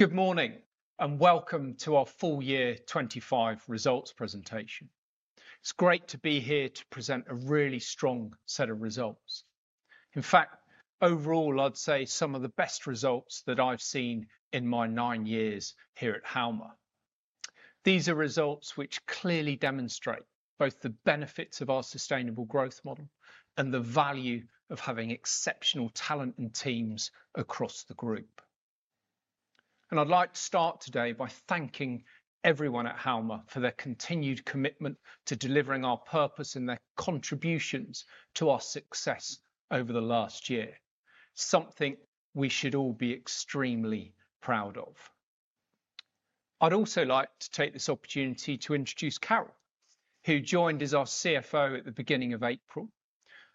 Good morning and welcome to our full year 2025 results presentation. It's great to be here to present a really strong set of results. In fact, overall, I'd say some of the best results that I've seen in my nine years here at Halma. These are results which clearly demonstrate both the benefits of our sustainable growth model and the value of having exceptional talent and teams across the group. I would like to start today by thanking everyone at Halma for their continued commitment to delivering our purpose and their contributions to our success over the last year, something we should all be extremely proud of. I would also like to take this opportunity to introduce Carole, who joined as our CFO at the beginning of April.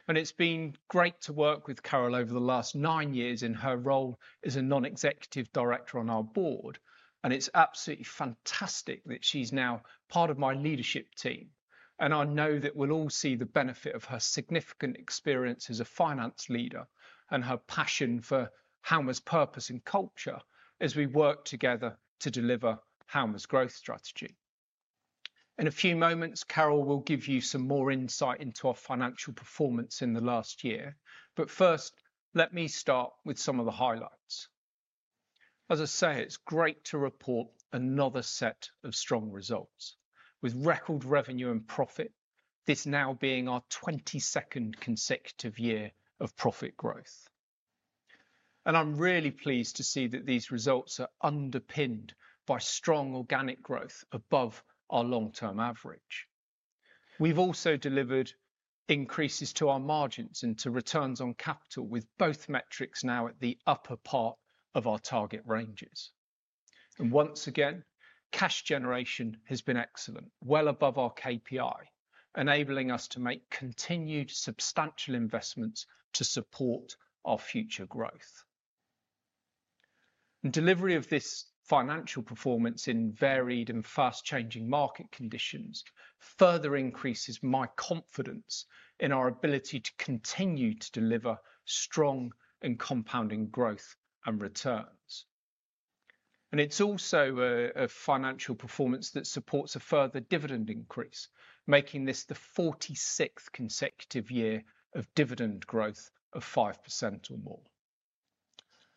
It's been great to work with Carole over the last nine years in her role as a non-executive director on our board. It is absolutely fantastic that she is now part of my leadership team. I know that we will all see the benefit of her significant experience as a finance leader and her passion for Halma's purpose and culture as we work together to deliver Halma's growth strategy. In a few moments, Carole will give you some more insight into our financial performance in the last year. First, let me start with some of the highlights. As I say, it is great to report another set of strong results with record revenue and profit, this now being our 22nd consecutive year of profit growth. I am really pleased to see that these results are underpinned by strong organic growth above our long-term average. We have also delivered increases to our margins and to returns on capital, with both metrics now at the upper part of our target ranges. Once again, cash generation has been excellent, well above our KPI, enabling us to make continued substantial investments to support our future growth. Delivery of this financial performance in varied and fast-changing market conditions further increases my confidence in our ability to continue to deliver strong and compounding growth and returns. It is also a financial performance that supports a further dividend increase, making this the 46th consecutive year of dividend growth of 5% or more.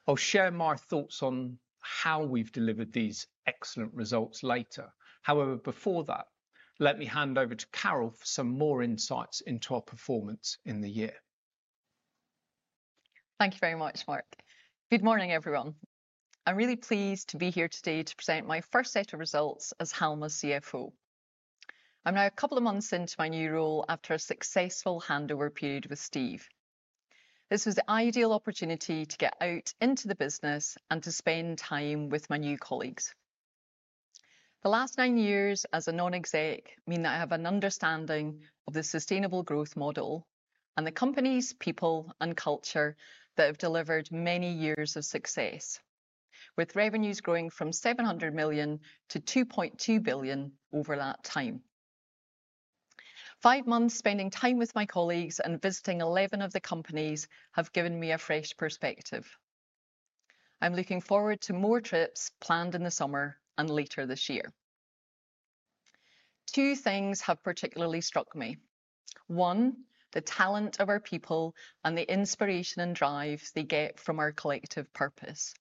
I'll share my thoughts on how we've delivered these excellent results later. However, before that, let me hand over to Carole for some more insights into our performance in the year. Thank you very much, Marc. Good morning, everyone. I'm really pleased to be here today to present my first set of results as Halma's CFO. I'm now a couple of months into my new role after a successful handover period with Steve. This was the ideal opportunity to get out into the business and to spend time with my new colleagues. The last nine years as a non-exec mean that I have an understanding of the sustainable growth model and the company's people and culture that have delivered many years of success, with revenues growing from 700 million to 2.2 billion over that time. Five months spending time with my colleagues and visiting 11 of the companies have given me a fresh perspective. I'm looking forward to more trips planned in the summer and later this year. Two things have particularly struck me. One, the talent of our people and the inspiration and drive they get from our collective purpose.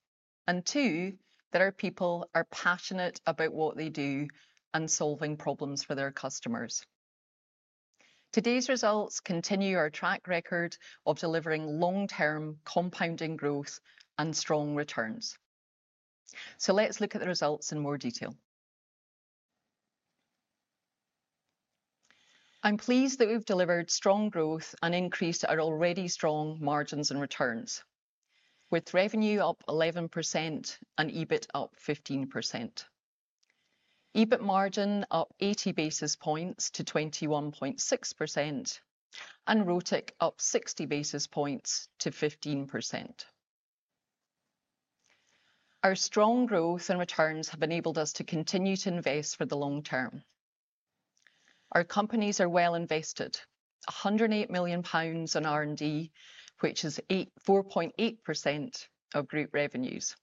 Two, that our people are passionate about what they do and solving problems for their customers. Today's results continue our track record of delivering long-term compounding growth and strong returns. Let's look at the results in more detail. I'm pleased that we've delivered strong growth and increased our already strong margins and returns, with revenue up 11% and EBIT up 15%. EBIT margin up 80 basis points to 21.6% and ROTIC up 60 basis points to 15%. Our strong growth and returns have enabled us to continue to invest for the long term. Our companies are well invested, 108 million pounds in R&D, which is 4.8% of group revenues.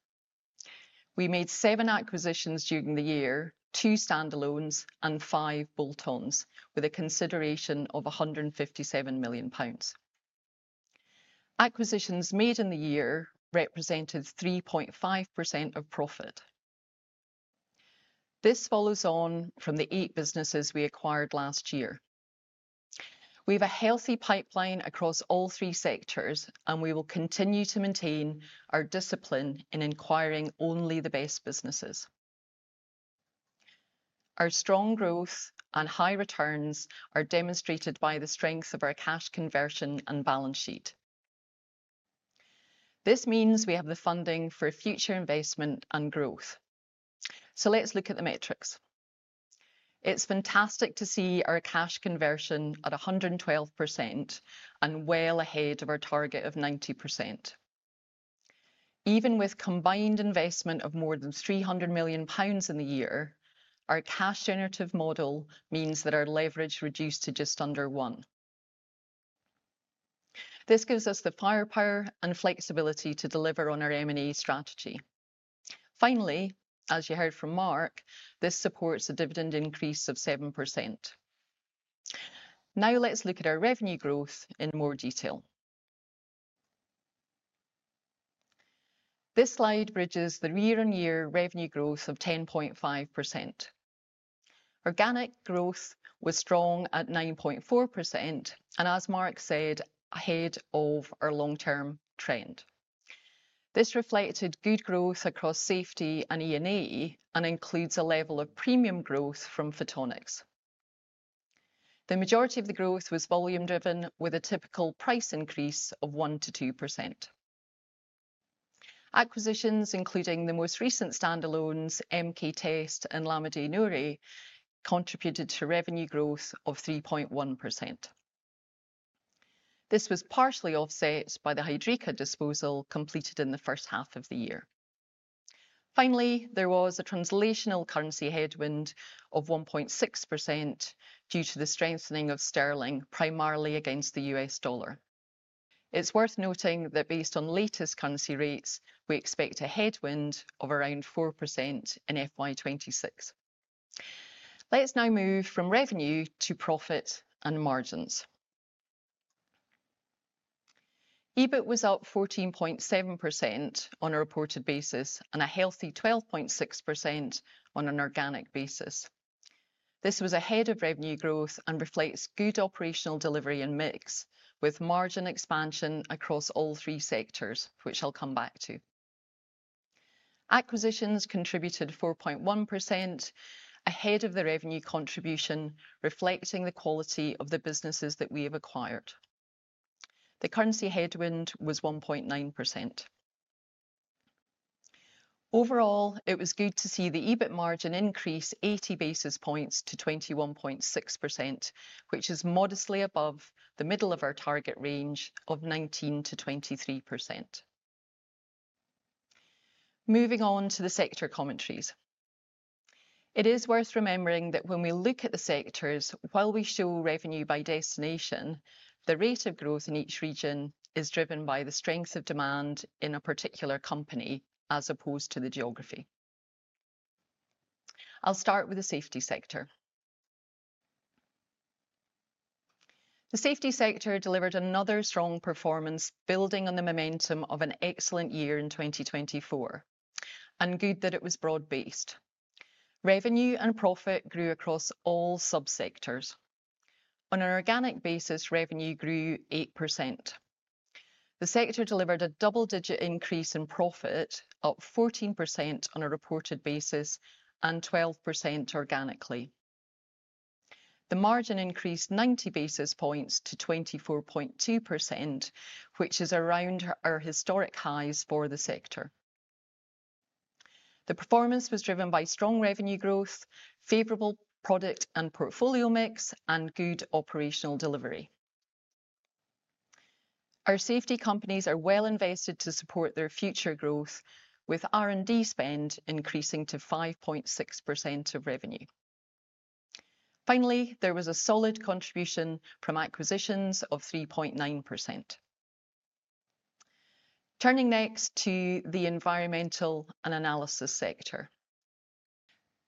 We made seven acquisitions during the year, two standalones and five bolt-ons with a consideration of 157 million pounds. Acquisitions made in the year represented 3.5% of profit. This follows on from the eight businesses we acquired last year. We have a healthy pipeline across all three sectors, and we will continue to maintain our discipline in acquiring only the best businesses. Our strong growth and high returns are demonstrated by the strength of our cash conversion and balance sheet. This means we have the funding for future investment and growth. Let's look at the metrics. It's fantastic to see our cash conversion at 112% and well ahead of our target of 90%. Even with combined investment of more than 300 million pounds in the year, our cash generative model means that our leverage reduced to just under one. This gives us the firepower and flexibility to deliver on our M&A strategy. Finally, as you heard from Marc, this supports a dividend increase of 7%. Now let's look at our revenue growth in more detail. This slide bridges the year-on-year revenue growth of 10.5%. Organic growth was strong at 9.4%, and as Marc said, ahead of our long-term trend. This reflected good growth across safety and E&E and includes a level of premium growth from photonics. The majority of the growth was volume-driven, with a typical price increase of 1-2%. Acquisitions, including the most recent standalones, MK Test and Lamidey Noury, contributed to revenue growth of 3.1%. This was partially offset by the Hydreka disposal completed in the first half of the year. Finally, there was a translational currency headwind of 1.6% due to the strengthening of sterling primarily against the US dollar. It's worth noting that based on latest currency rates, we expect a headwind of around 4% in fiscal year 2026. Let's now move from revenue to profit and margins. EBIT was up 14.7% on a reported basis and a healthy 12.6% on an organic basis. This was ahead of revenue growth and reflects good operational delivery and mix with margin expansion across all three sectors, which I'll come back to. Acquisitions contributed 4.1% ahead of the revenue contribution, reflecting the quality of the businesses that we have acquired. The currency headwind was 1.9%. Overall, it was good to see the EBIT margin increase 80 basis points to 21.6%, which is modestly above the middle of our target range of 19-23%. Moving on to the sector commentaries. It is worth remembering that when we look at the sectors, while we show revenue by destination, the rate of growth in each region is driven by the strength of demand in a particular company as opposed to the geography. I'll start with the safety sector. The safety sector delivered another strong performance, building on the momentum of an excellent year in 2024, and good that it was broad-based. Revenue and profit grew across all subsectors. On an organic basis, revenue grew 8%. The sector delivered a double-digit increase in profit, up 14% on a reported basis and 12% organically. The margin increased 90 basis points to 24.2%, which is around our historic highs for the sector. The performance was driven by strong revenue growth, favorable product and portfolio mix, and good operational delivery. Our safety companies are well invested to support their future growth, with R&D spend increasing to 5.6% of revenue. Finally, there was a solid contribution from acquisitions of 3.9%. Turning next to the environmental and analysis sector.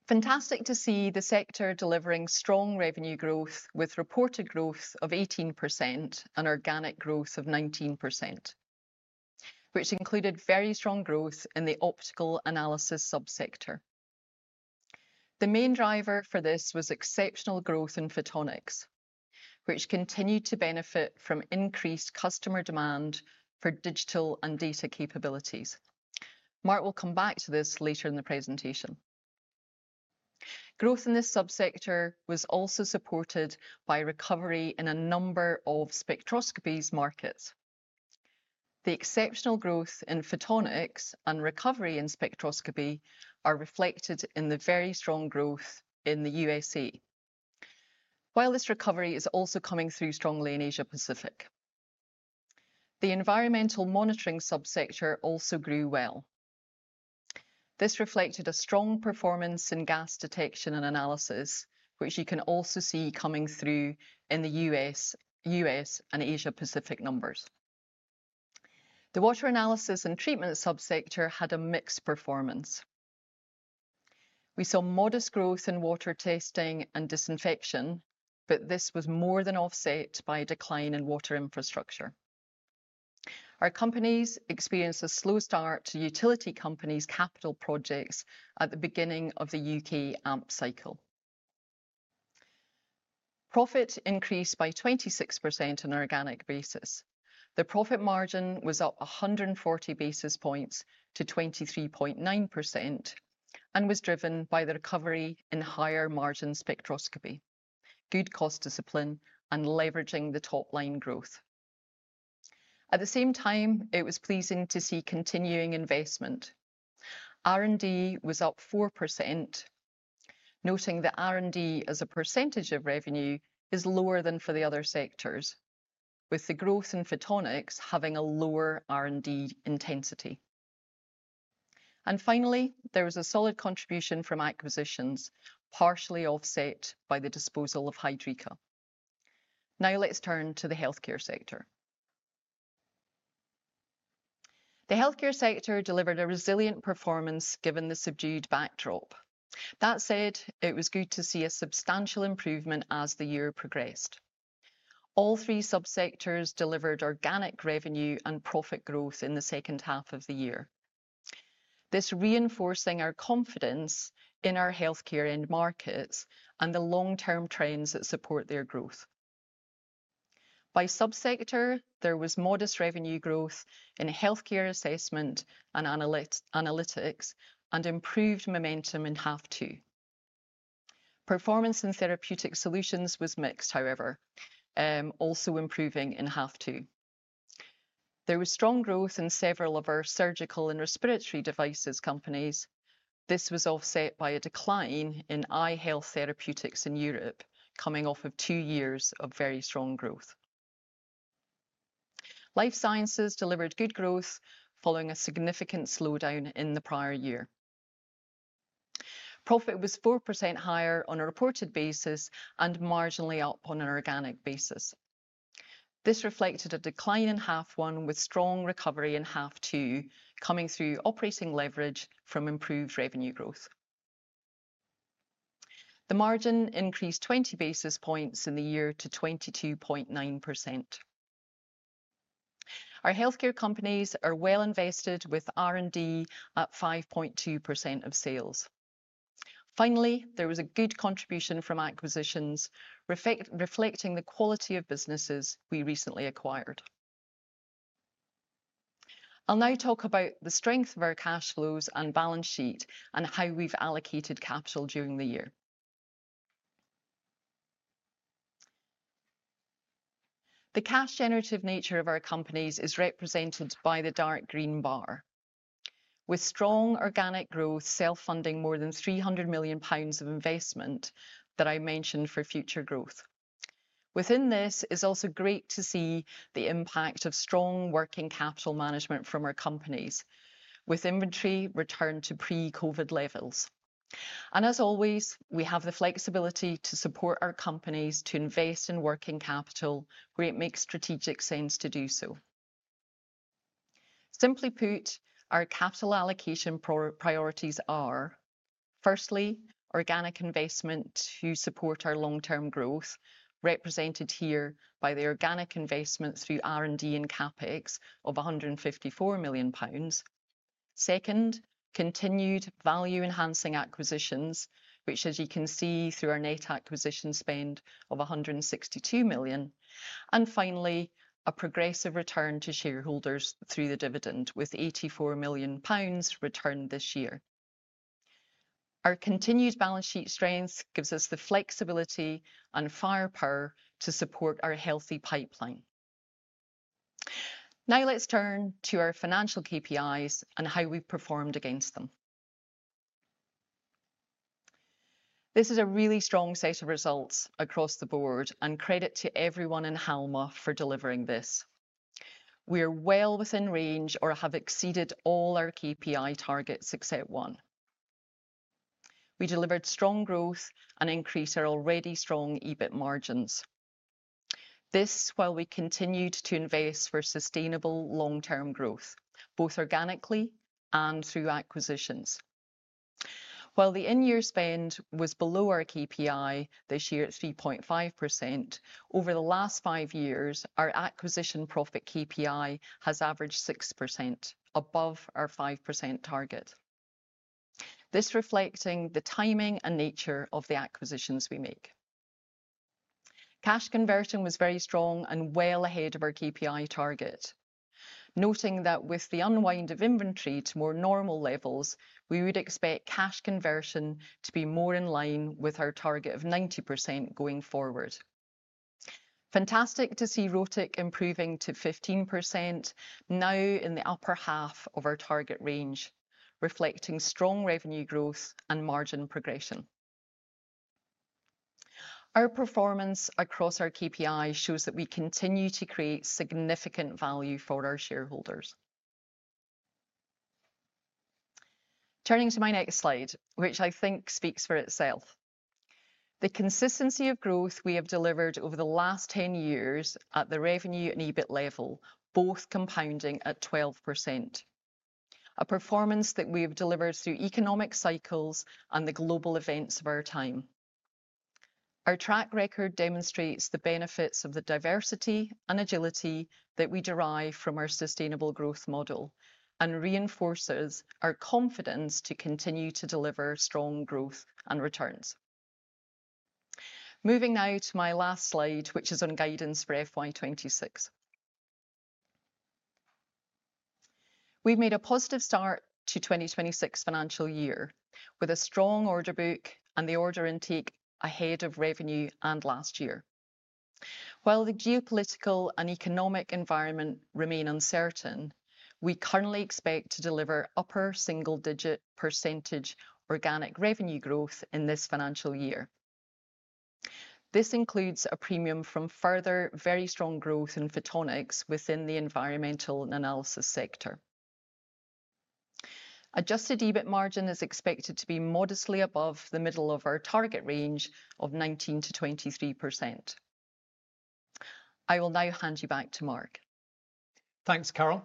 Fantastic to see the sector delivering strong revenue growth with reported growth of 18% and organic growth of 19%, which included very strong growth in the optical analysis subsector. The main driver for this was exceptional growth in photonics, which continued to benefit from increased customer demand for digital and data capabilities. Marc will come back to this later in the presentation. Growth in this subsector was also supported by recovery in a number of spectroscopy markets. The exceptional growth in photonics and recovery in spectroscopy are reflected in the very strong growth in the U.S., while this recovery is also coming through strongly in Asia-Pacific. The environmental monitoring subsector also grew well. This reflected a strong performance in gas detection and analysis, which you can also see coming through in the U.S. and Asia-Pacific numbers. The water analysis and treatment subsector had a mixed performance. We saw modest growth in water testing and disinfection, but this was more than offset by a decline in water infrastructure. Our companies experienced a slow start to utility companies' capital projects at the beginning of the U.K. AMP cycle. Profit increased by 26% on an organic basis. The profit margin was up 140 basis points to 23.9% and was driven by the recovery in higher margin spectroscopy, good cost discipline, and leveraging the top-line growth. At the same time, it was pleasing to see continuing investment. R&D was up 4%, noting that R&D as a percentage of revenue is lower than for the other sectors, with the growth in photonics having a lower R&D intensity. Finally, there was a solid contribution from acquisitions, partially offset by the disposal of Hydreka. Now let's turn to the healthcare sector. The healthcare sector delivered a resilient performance given the subdued backdrop. That said, it was good to see a substantial improvement as the year progressed. All three subsectors delivered organic revenue and profit growth in the second half of the year, this reinforcing our confidence in our healthcare end markets and the long-term trends that support their growth. By subsector, there was modest revenue growth in healthcare assessment and analytics and improved momentum in half two. Performance in therapeutic solutions was mixed, however, also improving in half two. There was strong growth in several of our surgical and respiratory devices companies. This was offset by a decline in eye health therapeutics in Europe coming off of two years of very strong growth. Life sciences delivered good growth following a significant slowdown in the prior year. Profit was 4% higher on a reported basis and marginally up on an organic basis. This reflected a decline in half one with strong recovery in half two coming through operating leverage from improved revenue growth. The margin increased 20 basis points in the year to 22.9%. Our healthcare companies are well invested with R&D at 5.2% of sales. Finally, there was a good contribution from acquisitions reflecting the quality of businesses we recently acquired. I'll now talk about the strength of our cash flows and balance sheet and how we've allocated capital during the year. The cash generative nature of our companies is represented by the dark green bar, with strong organic growth self-funding more than 300 million pounds of investment that I mentioned for future growth. Within this is also great to see the impact of strong working capital management from our companies, with inventory returned to pre-COVID levels. As always, we have the flexibility to support our companies to invest in working capital. It makes strategic sense to do so. Simply put, our capital allocation priorities are, firstly, organic investment to support our long-term growth, represented here by the organic investment through R&D and CapEx of 154 million pounds. Second, continued value-enhancing acquisitions, which, as you can see through our net acquisition spend of 162 million. Finally, a progressive return to shareholders through the dividend with 84 million pounds returned this year. Our continued balance sheet strength gives us the flexibility and firepower to support our healthy pipeline. Now let's turn to our financial KPIs and how we've performed against them. This is a really strong set of results across the board and credit to everyone in Halma for delivering this. We are well within range or have exceeded all our KPI targets except one. We delivered strong growth and increased our already strong EBIT margins. This while we continued to invest for sustainable long-term growth, both organically and through acquisitions. While the in-year spend was below our KPI this year at 3.5%, over the last five years, our acquisition profit KPI has averaged 6% above our 5% target. This reflecting the timing and nature of the acquisitions we make. Cash conversion was very strong and well ahead of our KPI target, noting that with the unwind of inventory to more normal levels, we would expect cash conversion to be more in line with our target of 90% going forward. Fantastic to see ROTIC improving to 15% now in the upper half of our target range, reflecting strong revenue growth and margin progression. Our performance across our KPI shows that we continue to create significant value for our shareholders. Turning to my next slide, which I think speaks for itself. The consistency of growth we have delivered over the last 10 years at the revenue and EBIT level, both compounding at 12%. A performance that we have delivered through economic cycles and the global events of our time. Our track record demonstrates the benefits of the diversity and agility that we derive from our sustainable growth model and reinforces our confidence to continue to deliver strong growth and returns. Moving now to my last slide, which is on guidance for FY2026. We've made a positive start to the 2026 financial year with a strong order book and the order intake ahead of revenue and last year. While the geopolitical and economic environment remain uncertain, we currently expect to deliver upper single-digit % organic revenue growth in this financial year. This includes a premium from further very strong growth in photonics within the environmental and analysis sector. Adjusted EBIT margin is expected to be modestly above the middle of our target range of 19-23%. I will now hand you back to Marc. Thanks, Carole.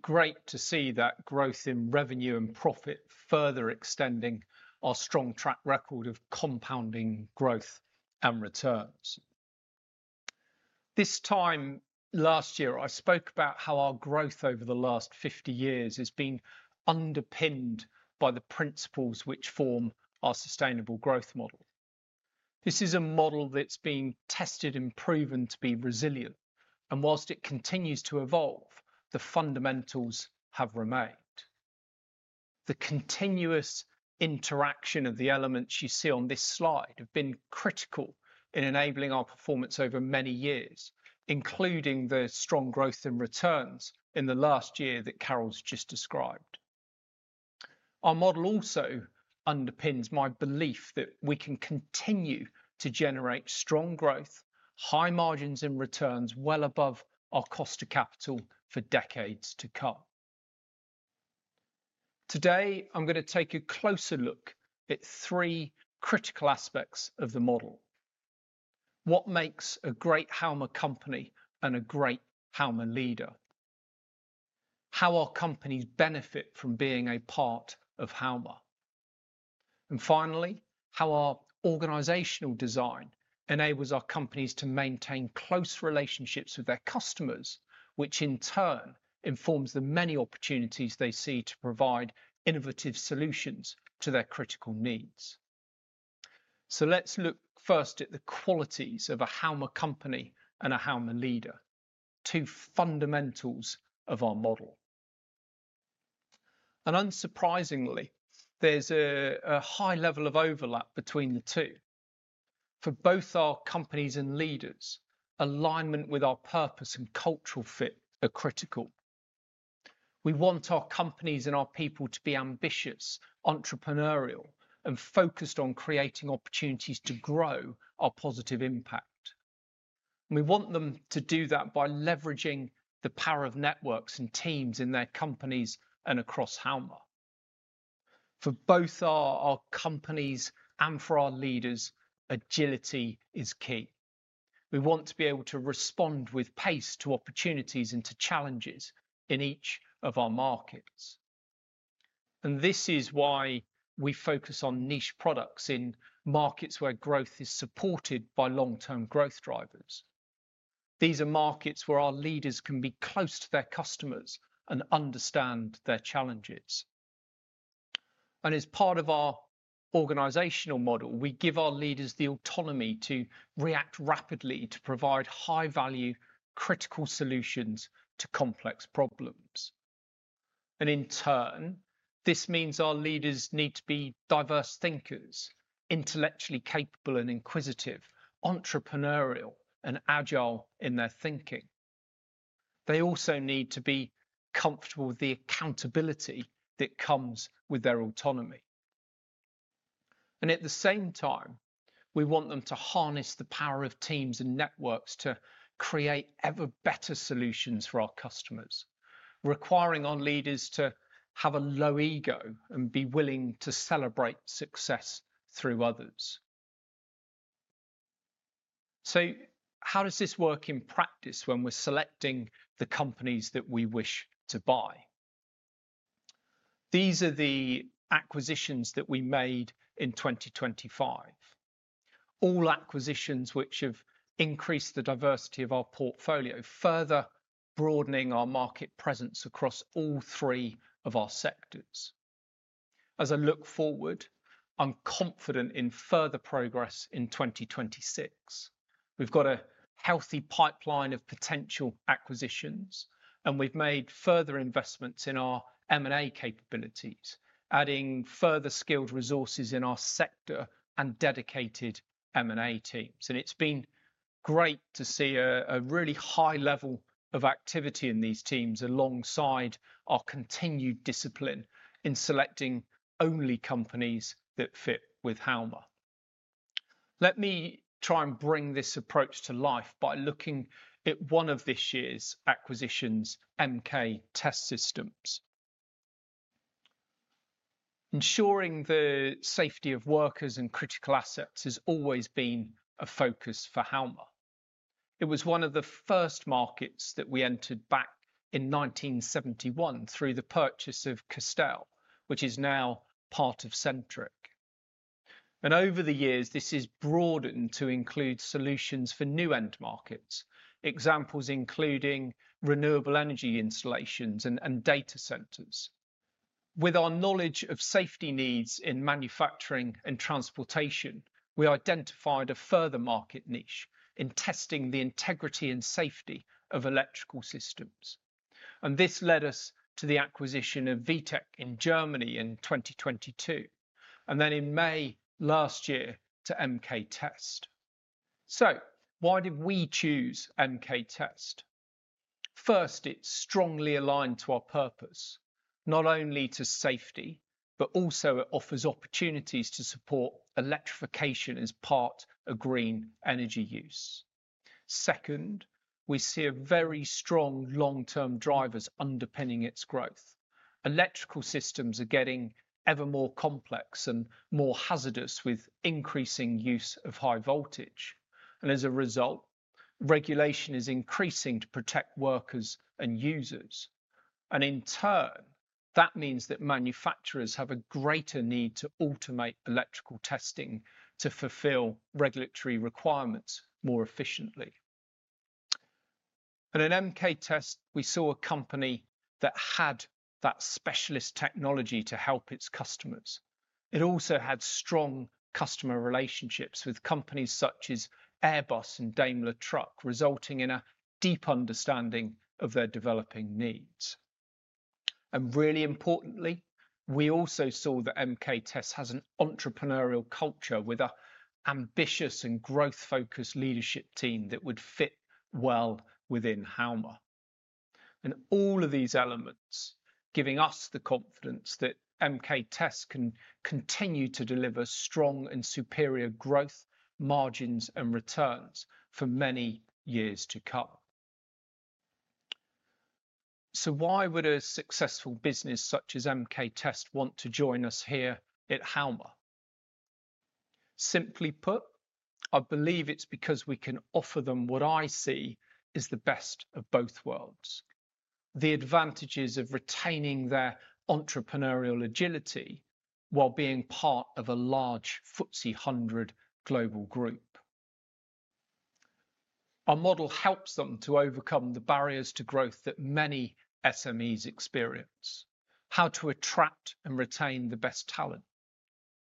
Great to see that growth in revenue and profit further extending our strong track record of compounding growth and returns. This time last year, I spoke about how our growth over the last 50 years has been underpinned by the principles which form our sustainable growth model. This is a model that's been tested and proven to be resilient. Whilst it continues to evolve, the fundamentals have remained. The continuous interaction of the elements you see on this slide have been critical in enabling our performance over many years, including the strong growth in returns in the last year that Carole's just described. Our model also underpins my belief that we can continue to generate strong growth, high margins and returns well above our cost of capital for decades to come. Today, I'm going to take a closer look at three critical aspects of the model. What makes a great Halma company and a great Halma leader? How our companies benefit from being a part of Halma. Finally, how our organizational design enables our companies to maintain close relationships with their customers, which in turn informs the many opportunities they see to provide innovative solutions to their critical needs. Let's look first at the qualities of a Halma company and a Halma leader, two fundamentals of our model. Unsurprisingly, there's a high level of overlap between the two. For both our companies and leaders, alignment with our purpose and cultural fit are critical. We want our companies and our people to be ambitious, entrepreneurial, and focused on creating opportunities to grow our positive impact. We want them to do that by leveraging the power of networks and teams in their companies and across Halma. For both our companies and for our leaders, agility is key. We want to be able to respond with pace to opportunities and to challenges in each of our markets. This is why we focus on niche products in markets where growth is supported by long-term growth drivers. These are markets where our leaders can be close to their customers and understand their challenges. As part of our organizational model, we give our leaders the autonomy to react rapidly to provide high-value, critical solutions to complex problems. In turn, this means our leaders need to be diverse thinkers, intellectually capable and inquisitive, entrepreneurial, and agile in their thinking. They also need to be comfortable with the accountability that comes with their autonomy. At the same time, we want them to harness the power of teams and networks to create ever better solutions for our customers, requiring our leaders to have a low ego and be willing to celebrate success through others. How does this work in practice when we're selecting the companies that we wish to buy? These are the acquisitions that we made in 2025. All acquisitions which have increased the diversity of our portfolio, further broadening our market presence across all three of our sectors. As I look forward, I'm confident in further progress in 2026. We've got a healthy pipeline of potential acquisitions, and we've made further investments in our M&A capabilities, adding further skilled resources in our sector and dedicated M&A teams. It's been great to see a really high level of activity in these teams alongside our continued discipline in selecting only companies that fit with Halma. Let me try and bring this approach to life by looking at one of this year's acquisitions, MK Test Systems. Ensuring the safety of workers and critical assets has always been a focus for Halma. It was one of the first markets that we entered back in 1971 through the purchase of Castell, which is now part of Sentric. Over the years, this has broadened to include solutions for new end markets, examples including renewable energy installations and data centers. With our knowledge of safety needs in manufacturing and transportation, we identified a further market niche in testing the integrity and safety of electrical systems. This led us to the acquisition of VTech in Germany in 2022, and then in May last year to MK Test. Why did we choose MK Test? First, it is strongly aligned to our purpose, not only to safety, but also it offers opportunities to support electrification as part of green energy use. Second, we see very strong long-term drivers underpinning its growth. Electrical systems are getting ever more complex and more hazardous with increasing use of high voltage. As a result, regulation is increasing to protect workers and users. In turn, that means that manufacturers have a greater need to automate electrical testing to fulfill regulatory requirements more efficiently. In MK Test, we saw a company that had that specialist technology to help its customers. It also had strong customer relationships with companies such as Airbus and Daimler Truck, resulting in a deep understanding of their developing needs. Really importantly, we also saw that MK Test has an entrepreneurial culture with an ambitious and growth-focused leadership team that would fit well within Halma. All of these elements give us the confidence that MK Test can continue to deliver strong and superior growth, margins, and returns for many years to come. Why would a successful business such as MK Test want to join us here at Halma? Simply put, I believe it's because we can offer them what I see is the best of both worlds: the advantages of retaining their entrepreneurial agility while being part of a large FTSE 100 global group. Our model helps them to overcome the barriers to growth that many SMEs experience: how to attract and retain the best talent,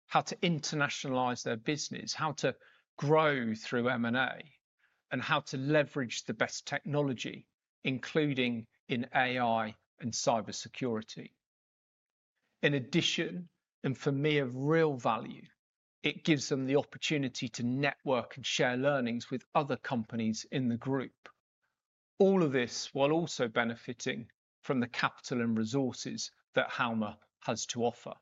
how to internationalize their business, how to grow through M&A, and how to leverage the best technology, including in AI and cybersecurity. In addition, and for me of real value, it gives them the opportunity to network and share learnings with other companies in the group. All of this while also benefiting from the capital and resources that Halma has to offer.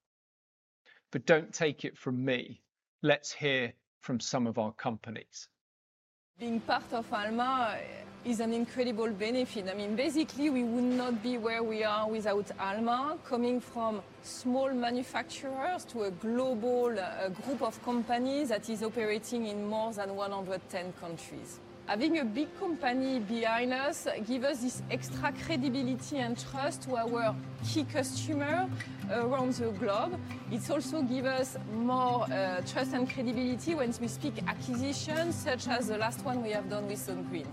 Do not take it from me. Let's hear from some of our companies. Being part of Halma is an incredible benefit. I mean, basically, we would not be where we are without Halma, coming from small manufacturers to a global group of companies that is operating in more than 110 countries. Having a big company behind us gives us this extra credibility and trust to our key customers around the globe. It also gives us more trust and credibility when we speak of acquisitions, such as the last one we have done with Sungreen.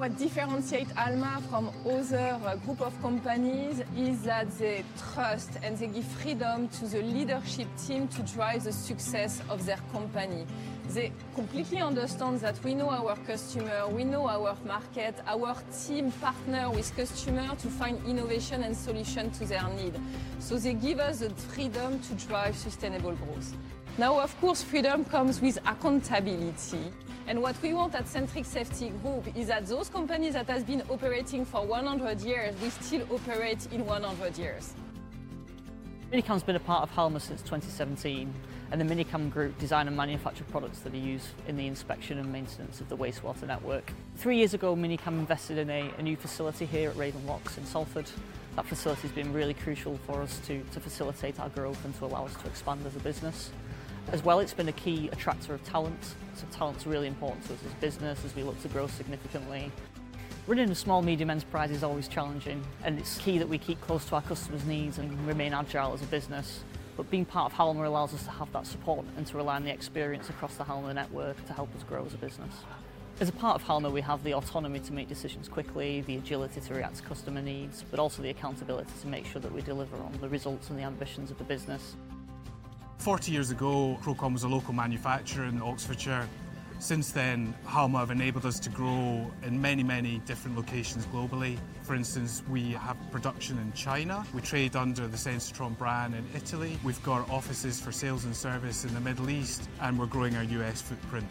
What differentiates Halma from other groups of companies is that they trust and they give freedom to the leadership team to drive the success of their company. They completely understand that we know our customers, we know our market, our team partners with customers to find innovation and solutions to their needs. They give us the freedom to drive sustainable growth. Now, of course, freedom comes with accountability. What we want at Sentric Safety Group is that those companies that have been operating for 100 years, we still operate in 100 years. Minicam has been a part of Halma since 2017, and the Minicam Group designs and manufactures products that are used in the inspection and maintenance of the wastewater network. Three years ago, Minicam invested in a new facility here at Raven Locks in Salford. That facility has been really crucial for us to facilitate our growth and to allow us to expand as a business. As well, it's been a key attractor of talent. Talent is really important to us as a business as we look to grow significantly. Running a small medium enterprise is always challenging, and it's key that we keep close to our customers' needs and remain agile as a business. Being part of Halma allows us to have that support and to rely on the experience across the Halma network to help us grow as a business. As a part of Halma, we have the autonomy to make decisions quickly, the agility to react to customer needs, but also the accountability to make sure that we deliver on the results and the ambitions of the business. Forty years ago, Crowcon was a local manufacturer in Oxfordshire. Since then, Halma have enabled us to grow in many, many different locations globally. For instance, we have production in China. We trade under the Sensitron brand in Italy. We've got offices for sales and service in the Middle East, and we're growing our U.S. footprint.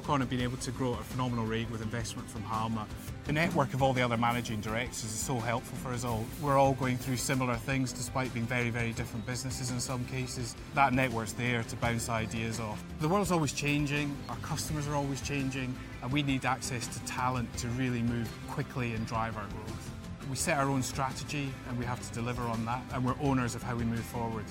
Crowcon have been able to grow at a phenomenal rate with investment from Halma. The network of all the other managing directors is so helpful for us all. We're all going through similar things despite being very, very different businesses in some cases. That network's there to bounce ideas off. The world's always changing. Our customers are always changing, and we need access to talent to really move quickly and drive our growth. We set our own strategy, and we have to deliver on that, and we're owners of how we move forward.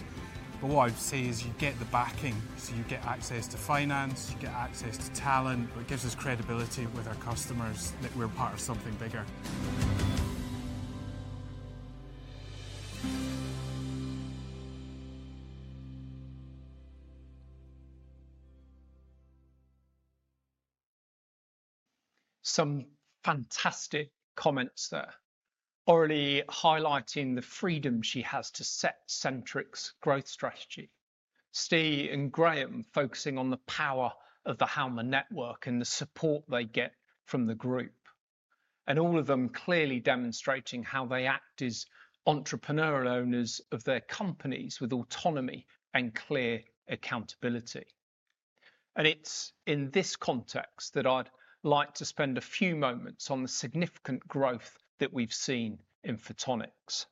What I would say is you get the backing, so you get access to finance, you get access to talent. It gives us credibility with our customers that we're part of something bigger. Some fantastic comments there, Aurélie highlighting the freedom she has to set Sentric's growth strategy, Steve and Graham focusing on the power of the Halma network and the support they get from the group, and all of them clearly demonstrating how they act as entrepreneurial owners of their companies with autonomy and clear accountability. It is in this context that I'd like to spend a few moments on the significant growth that we've seen in photonics.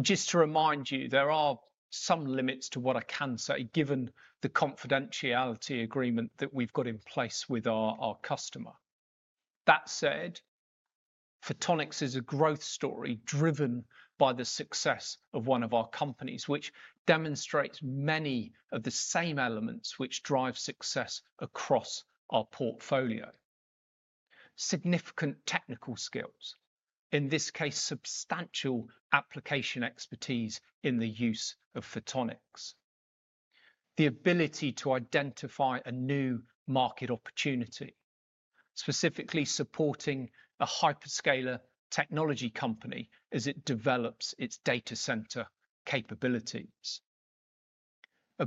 Just to remind you, there are some limits to what I can say given the confidentiality agreement that we've got in place with our customer. That said, photonics is a growth story driven by the success of one of our companies, which demonstrates many of the same elements which drive success across our portfolio: significant technical skills, in this case, substantial application expertise in the use of photonics, the ability to identify a new market opportunity, specifically supporting a hyperscaler technology company as it develops its data center capabilities, a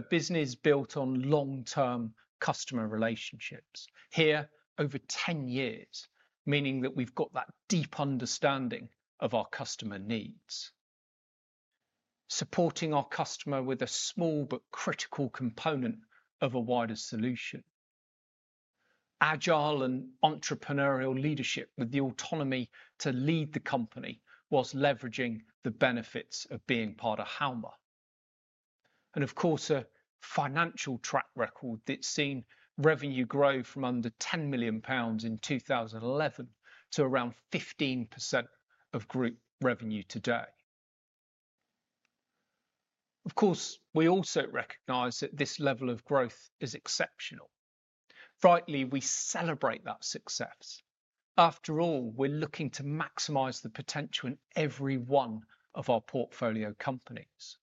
business built on long-term customer relationships here over 10 years, meaning that we've got that deep understanding of our customer needs, supporting our customer with a small but critical component of a wider solution, agile and entrepreneurial leadership with the autonomy to lead the company whilst leveraging the benefits of being part of Halma, and of course, a financial track record that's seen revenue grow from under 10 million pounds in 2011 to around 15% of group revenue today. Of course, we also recognize that this level of growth is exceptional. Rightly, we celebrate that success. After all, we're looking to maximize the potential in every one of our portfolio companies.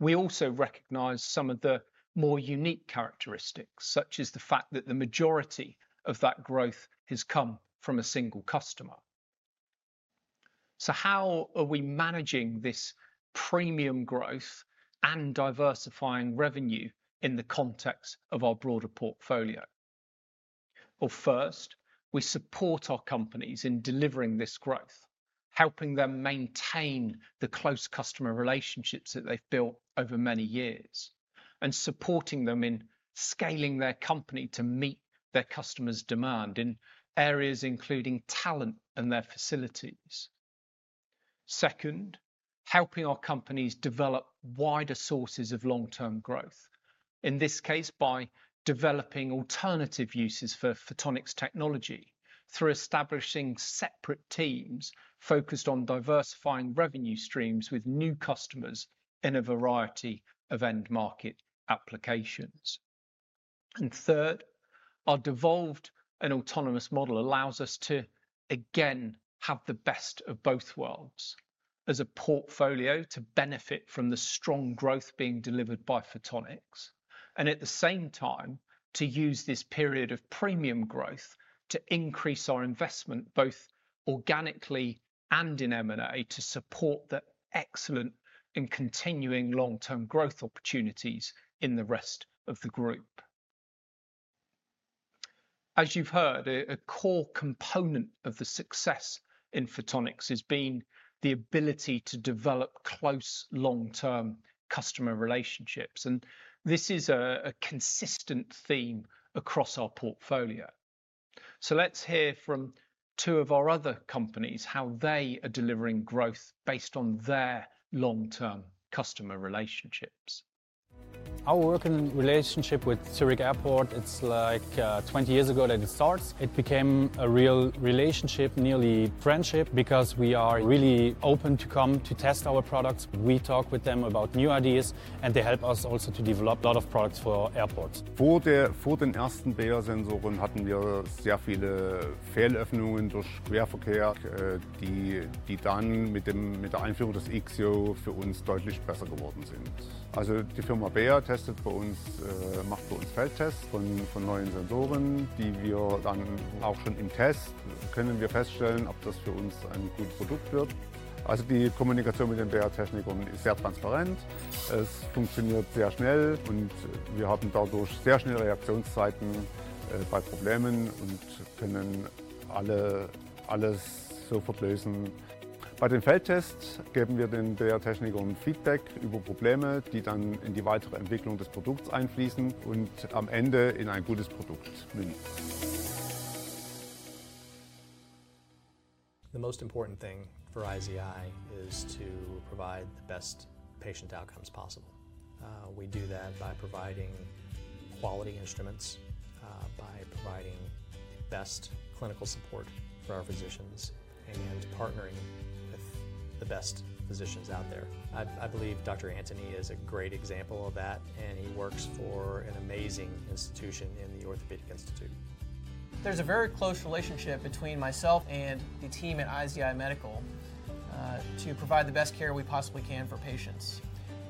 We also recognize some of the more unique characteristics, such as the fact that the majority of that growth has come from a single customer. How are we managing this premium growth and diversifying revenue in the context of our broader portfolio? First, we support our companies in delivering this growth, helping them maintain the close customer relationships that they've built over many years, and supporting them in scaling their company to meet their customers' demand in areas including talent and their facilities. Second, helping our companies develop wider sources of long-term growth, in this case, by developing alternative uses for photonics technology through establishing separate teams focused on diversifying revenue streams with new customers in a variety of end market applications. Third, our devolved and autonomous model allows us to, again, have the best of both worlds as a portfolio to benefit from the strong growth being delivered by photonics, and at the same time, to use this period of premium growth to increase our investment both organically and in M&A to support the excellent and continuing long-term growth opportunities in the rest of the group. As you've heard, a core component of the success in photonics has been the ability to develop close long-term customer relationships, and this is a consistent theme across our portfolio. Let's hear from two of our other companies how they are delivering growth based on their long-term customer relationships. Our working relationship with Zurich Airport, it's like 20 years ago that it started. It became a real relationship, nearly friendship, because we are really open to come to test our products. We talk with them about new ideas, and they help us also to develop a lot of products for airports. Vor den ersten Beyer-Sensoren hatten wir sehr viele Fehlöffnungen durch Querverkehr, die dann mit der Einführung des IXIO für uns deutlich besser geworden sind. Also die Firma Beyer testet bei uns, macht bei uns Feldtests von neuen Sensoren, die wir dann auch schon im Test können wir feststellen, ob das für uns ein gutes Produkt wird. Also die Kommunikation mit den Beyer-Technikern ist sehr transparent, es funktioniert sehr schnell, und wir haben dadurch sehr schnelle Reaktionszeiten bei Problemen und können alles sofort lösen. Bei den Feldtests geben wir den Beyer-Technikern Feedback über Probleme, die dann in die weitere Entwicklung des Produkts einfließen und am Ende in ein gutes Produkt münden. The most important thing for IZI is to provide the best patient outcomes possible. We do that by providing quality instruments, by providing the best clinical support for our physicians, and partnering with the best physicians out there. I believe Dr. Antony is a great example of that, and he works for an amazing institution in the Orthopedic Institute. There's a very close relationship between myself and the team at IZI Medical to provide the best care we possibly can for patients.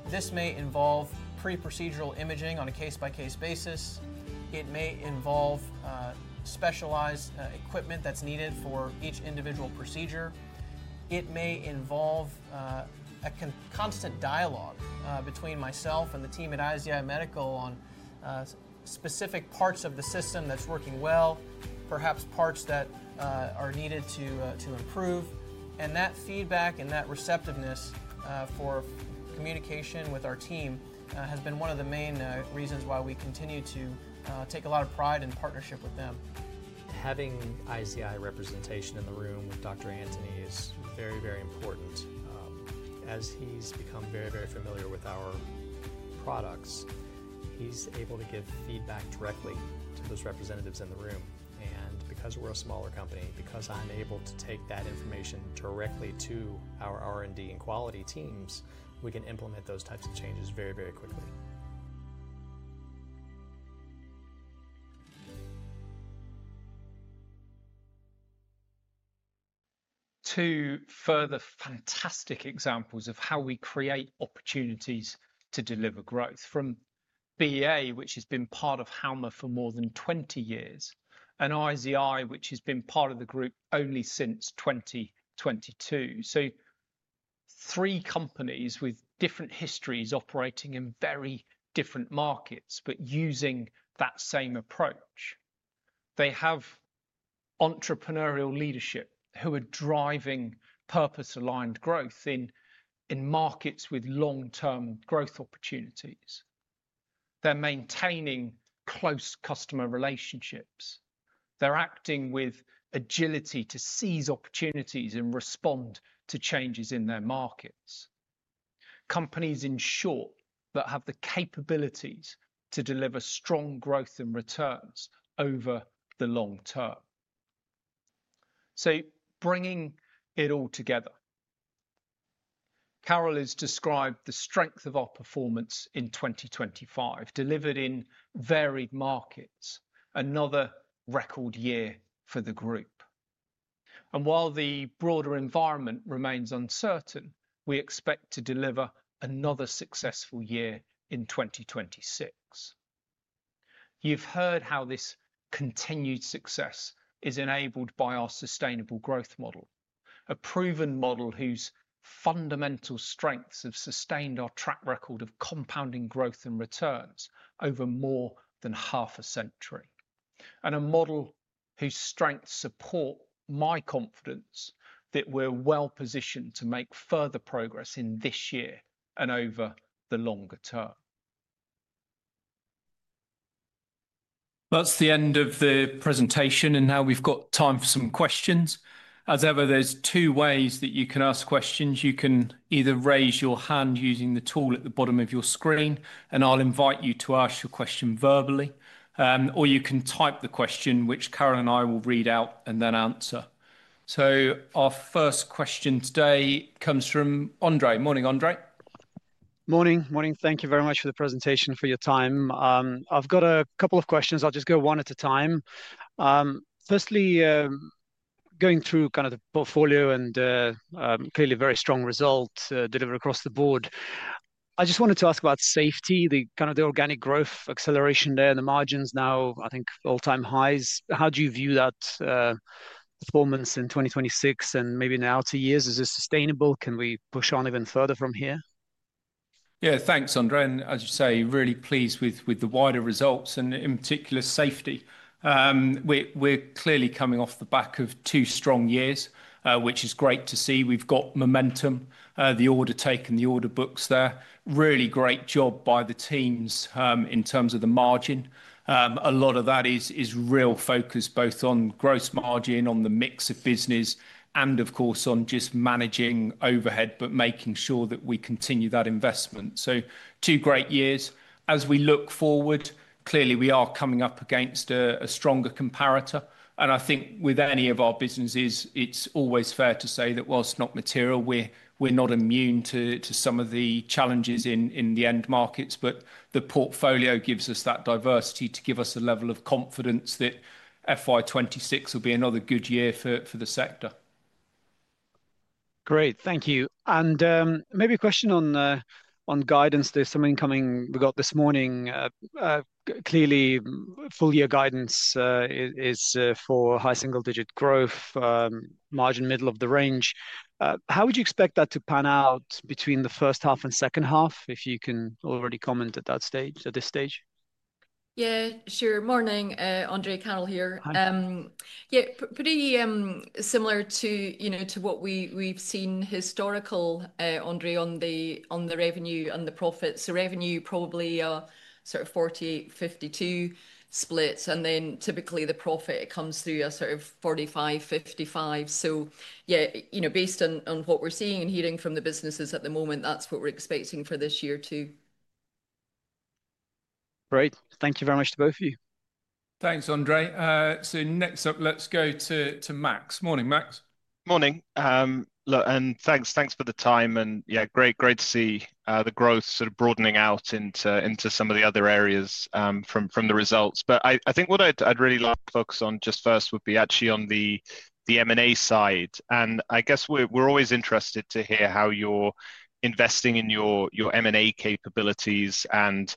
This may involve pre-pROTICdural imaging on a case-by-case basis. It may involve specialized equipment that's needed for each individual pROTICdure. It may involve a constant dialogue between myself and the team at IZI Medical on specific parts of the system that's working well, perhaps parts that are needed to improve. That feedback and that receptiveness for communication with our team has been one of the main reasons why we continue to take a lot of pride in partnership with them. Having IZI representation in the room with Dr. Antony is very, very important. As he's become very, very familiar with our products, he's able to give feedback directly to those representatives in the room. Because we're a smaller company, because I'm able to take that information directly to our R&D and quality teams, we can implement those types of changes very, very quickly. Two further fantastic examples of how we create opportunities to deliver growth from BA, which has been part of Halma for more than 20 years, and IZI, which has been part of the group only since 2022. Three companies with different histories operating in very different markets, but using that same approach. They have entrepreneurial leadership who are driving purpose-aligned growth in markets with long-term growth opportunities. They're maintaining close customer relationships. They're acting with agility to seize opportunities and respond to changes in their markets. Companies, in short, that have the capabilities to deliver strong growth and returns over the long term. Bringing it all together, Carole has described the strength of our performance in 2025, delivered in varied markets, another record year for the group. While the broader environment remains uncertain, we expect to deliver another successful year in 2026. You've heard how this continued success is enabled by our sustainable growth model, a proven model whose fundamental strengths have sustained our track record of compounding growth and returns over more than half a century, and a model whose strengths support my confidence that we're well positioned to make further progress in this year and over the longer term. That's the end of the presentation, and now we've got time for some questions. As ever, there are two ways that you can ask questions. You can either raise your hand using the tool at the bottom of your screen, and I'll invite you to ask your question verbally, or you can type the question, which Carole and I will read out and then answer. Our first question today comes from André. Morning, André. Morning. Thank you very much for the presentation, for your time. I've got a couple of questions. I'll just go one at a time. Firstly, going through kind of the portfolio and clearly very strong result delivered across the board, I just wanted to ask about safety, the kind of organic growth acceleration there in the margins now, I think all-time highs. How do you view that performance in 2026 and maybe in the outer years? Is it sustainable? Can we push on even further from here? Yeah, thanks, André. As you say, really pleased with the wider results and in particular safety. We're clearly coming off the back of two strong years, which is great to see. We've got momentum, the order taken, the order books there. Really great job by the teams in terms of the margin. A lot of that is real focus both on gross margin, on the mix of business, and of course on just managing overhead, but making sure that we continue that investment. Two great years. As we look forward, clearly we are coming up against a stronger comparator. I think with any of our businesses, it's always fair to say that whilst not material, we're not immune to some of the challenges in the end markets, but the portfolio gives us that diversity to give us a level of confidence that FY2026 will be another good year for the sector. Great. Thank you. Maybe a question on guidance. There's some incoming we got this morning. Clearly, full-year guidance is for high single-digit growth, margin middle of the range. How would you expect that to pan out between the first half and second half, if you can already comment at that stage, at this stage? Yeah, sure. Morning, André, Carole here. Yeah, pretty similar to what we've seen historically, André, on the revenue and the profits. The revenue probably are sort of 48-52 splits, and then typically the profit comes through a sort of 45-55. So yeah, based on what we're seeing and hearing from the businesses at the moment, that's what we're expecting for this year too. Great. Thank you very much to both of you. Thanks, André. Next up, let's go to Max. Morning, Max. Morning. And thanks for the time. Yeah, great to see the growth sort of broadening out into some of the other areas from the results. But I think what I'd really like to focus on just first would be actually on the M&A side. I guess we're always interested to hear how you're investing in your M&A capabilities and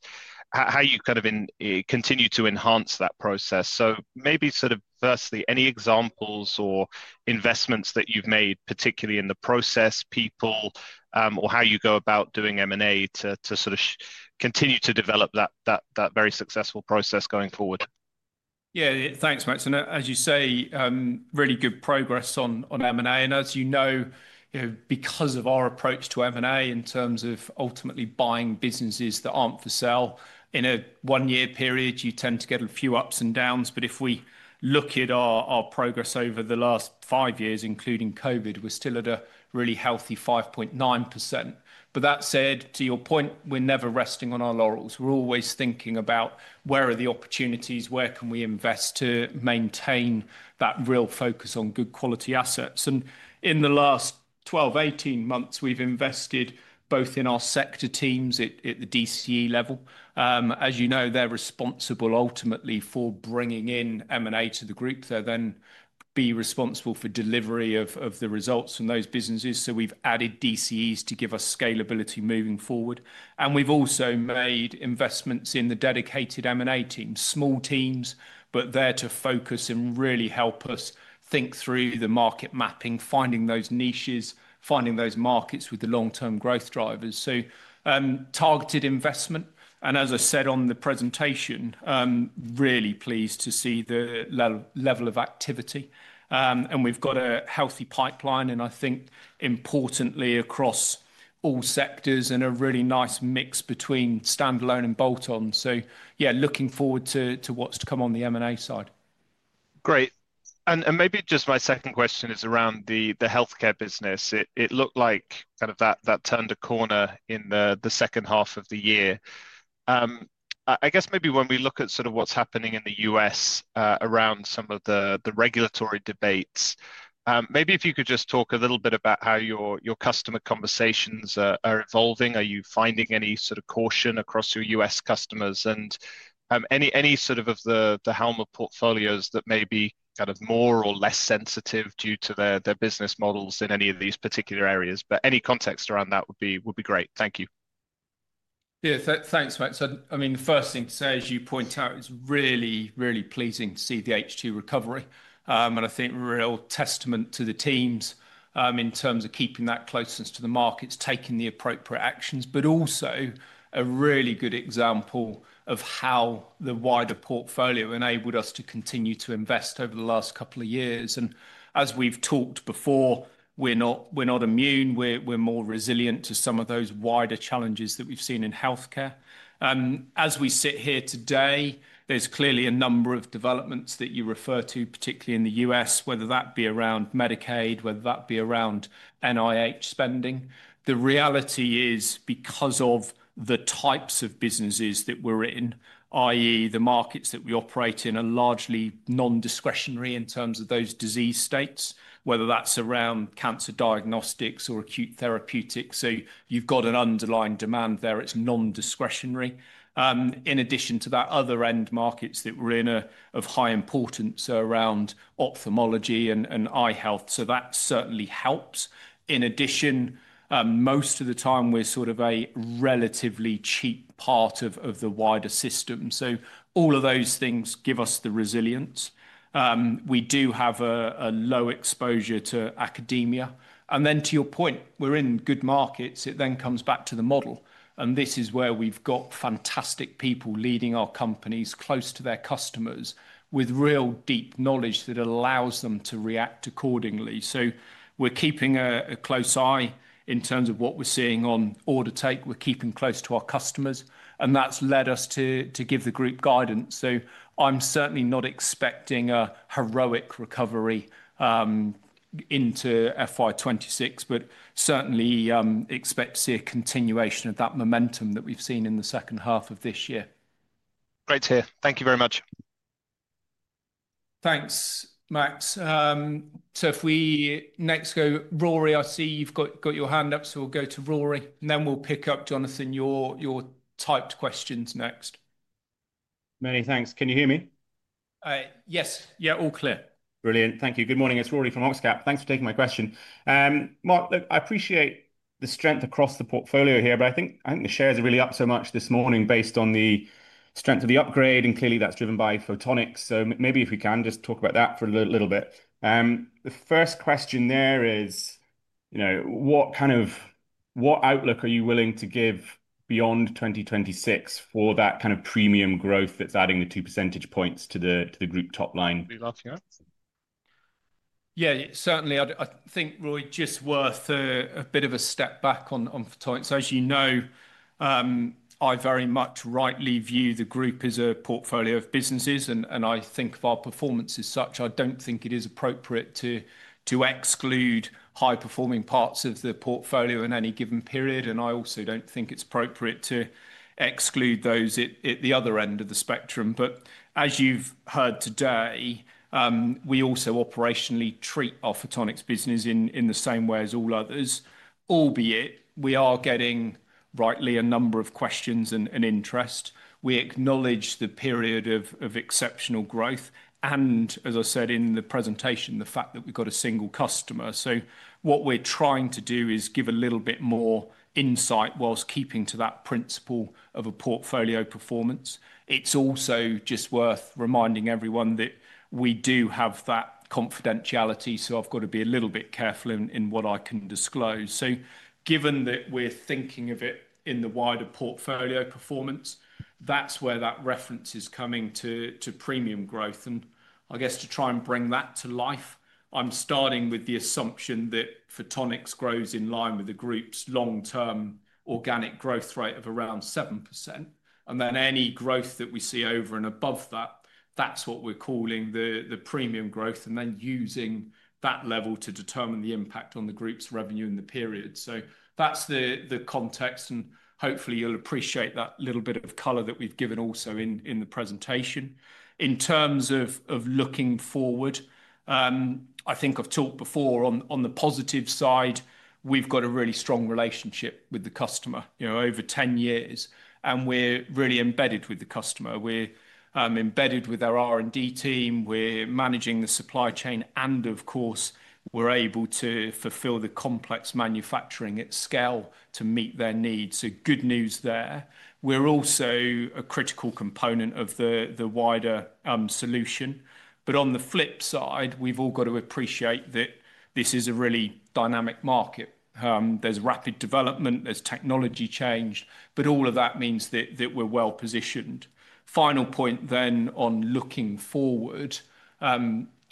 how you kind of continue to enhance that pROTICss. Maybe sort of firstly, any examples or investments that you've made, particularly in the pROTICss people, or how you go about doing M&A to sort of continue to develop that very successful pROTICss going forward? Yeah, thanks, Max. As you say, really good progress on M&A. As you know, because of our approach to M&A in terms of ultimately buying businesses that aren't for sale, in a one-year period, you tend to get a few ups and downs. If we look at our progress over the last five years, including COVID, we're still at a really healthy 5.9%. That said, to your point, we're never resting on our laurels. We're always thinking about where are the opportunities, where can we invest to maintain that real focus on good quality assets. In the last 12-18 months, we've invested both in our sector teams at the DCE level. As you know, they're responsible ultimately for bringing in M&A to the group. They'll then be responsible for delivery of the results from those businesses. We've added DCEs to give us scalability moving forward. We've also made investments in the dedicated M&A team, small teams, but there to focus and really help us think through the market mapping, finding those niches, finding those markets with the long-term growth drivers. Targeted investment. As I said on the presentation, really pleased to see the level of activity. We have a healthy pipeline, and I think importantly across all sectors and a really nice mix between standalone and bolt-on. Yeah, looking forward to what's to come on the M&A side. Great. Maybe just my second question is around the healthcare business. It looked like that turned a corner in the second half of the year. I guess maybe when we look at sort of what's happening in the U.S. around some of the regulatory debates, maybe if you could just talk a little bit about how your customer conversations are evolving. Are you finding any sort of caution across your U.S. customers and any of the Halma portfolios that may be more or less sensitive due to their business models in any of these particular areas? Any context around that would be great. Thank you. Yeah, thanks, Max. I mean, the first thing to say, as you point out, it's really, really pleasing to see the H2 recovery. I think real testament to the teams in terms of keeping that closeness to the markets, taking the appropriate actions, but also a really good example of how the wider portfolio enabled us to continue to invest over the last couple of years. As we've talked before, we're not immune. We're more resilient to some of those wider challenges that we've seen in healthcare. As we sit here today, there's clearly a number of developments that you refer to, particularly in the U.S., whether that be around Medicaid, whether that be around NIH spending. The reality is because of the types of businesses that we're in, i.e., the markets that we operate in are largely non-discretionary in terms of those disease states, whether that's around cancer diagnostics or acute therapeutics. You have got an underlying demand there. It's non-discretionary. In addition to that, other end markets that we're in of high importance are around ophthalmology and eye health. That certainly helps. In addition, most of the time we're sort of a relatively cheap part of the wider system. All of those things give us the resilience. We do have a low exposure to academia. To your point, we're in good markets. It then comes back to the model. This is where we've got fantastic people leading our companies close to their customers with real deep knowledge that allows them to react accordingly. We're keeping a close eye in terms of what we're seeing on order take. We're keeping close to our customers. That's led us to give the group guidance. I'm certainly not expecting a heroic recovery into FY2026, but certainly expect to see a continuation of that momentum that we've seen in the second half of this year. Great to hear. Thank you very much. Thanks, Max. If we next go, Rory, I see you've got your hand up. We'll go to Rory. Then we'll pick up, Jonathan, your typed questions next. Many thanks. Can you hear me? Yes. Yeah, all clear. Brilliant. Thank you. Good morning. It's Rory from OxCap. Thanks for taking my question. Marc, look, I appreciate the strength across the portfolio here, but I think the shares are really up so much this morning based on the strength of the upgrade. Clearly that is driven by photonics. Maybe if we can just talk about that for a little bit. The first question there is, what kind of outlook are you willing to give beyond 2026 for that kind of premium growth that is adding the two percentage points to the group top line? Yeah, certainly. I think, Rory, just worth a bit of a step back on photonics. As you know, I very much rightly view the group as a portfolio of businesses. I think of our performance as such. I do not think it is appropriate to exclude high-performing parts of the portfolio in any given period. I also do not think it is appropriate to exclude those at the other end of the spectrum. As you've heard today, we also operationally treat our photonics business in the same way as all others, albeit we are getting rightly a number of questions and interest. We acknowledge the period of exceptional growth. As I said in the presentation, the fact that we've got a single customer. What we're trying to do is give a little bit more insight whilst keeping to that principle of a portfolio performance. It's also just worth reminding everyone that we do have that confidentiality. I've got to be a little bit careful in what I can disclose. Given that we're thinking of it in the wider portfolio performance, that's where that reference is coming to premium growth. I guess to try and bring that to life, I'm starting with the assumption that photonics grows in line with the group's long-term organic growth rate of around 7%. Any growth that we see over and above that, that's what we're calling the premium growth. Using that level to determine the impact on the group's revenue in the period, that's the context. Hopefully you'll appreciate that little bit of color that we've given also in the presentation. In terms of looking forward, I think I've talked before on the positive side, we've got a really strong relationship with the customer over 10 years. We're really embedded with the customer. We're embedded with our R&D team. We're managing the supply chain. Of course, we're able to fulfill the complex manufacturing at scale to meet their needs. Good news there. We're also a critical component of the wider solution. On the flip side, we've all got to appreciate that this is a really dynamic market. There's rapid development. There's technology change. All of that means that we're well positioned. Final point then on looking forward,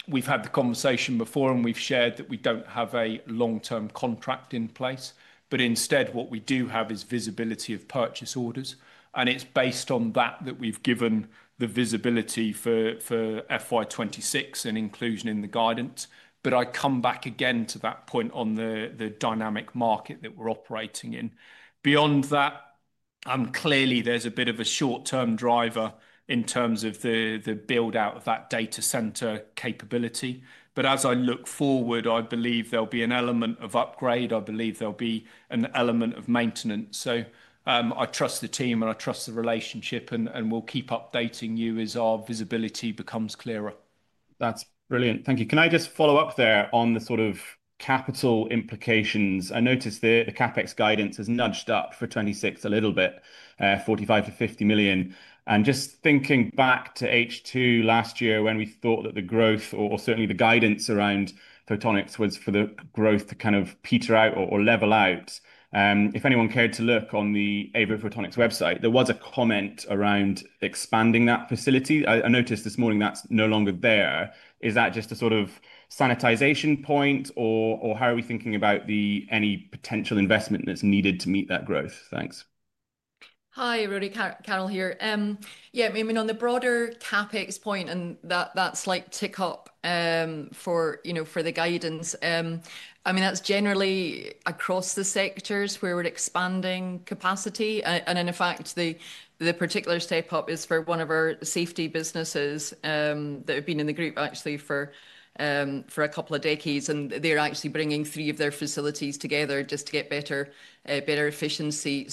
we've had the conversation before and we've shared that we don't have a long-term contract in place. Instead, what we do have is visibility of purchase orders. It's based on that that we've given the visibility for FY2026 and inclusion in the guidance. I come back again to that point on the dynamic market that we're operating in. Beyond that, clearly there's a bit of a short-term driver in terms of the build-out of that data center capability. As I look forward, I believe there'll be an element of upgrade. I believe there'll be an element of maintenance. I trust the team and I trust the relationship and we'll keep updating you as our visibility becomes clearer. That's brilliant. Thank you. Can I just follow up there on the sort of capital implications? I noticed the CapEx guidance has nudged up for 2026 a little bit, 45 million-50 million. And just thinking back to H2 last year when we thought that the growth or certainly the guidance around photonics was for the growth to kind of peter out or level out. If anyone cared to look on the Ava photonics website, there was a comment around expanding that facility. I noticed this morning that's no longer there. Is that just a sort of sanitization point or how are we thinking about any potential investment that's needed to meet that growth? Thanks. Hi, Rory, Carole here. Yeah, I mean, on the broader CapEx point and that slight tick up for the guidance, I mean, that's generally across the sectors where we're expanding capacity. In fact, the particular step up is for one of our safety businesses that have been in the group actually for a couple of decades. They're actually bringing three of their facilities together just to get better efficiency.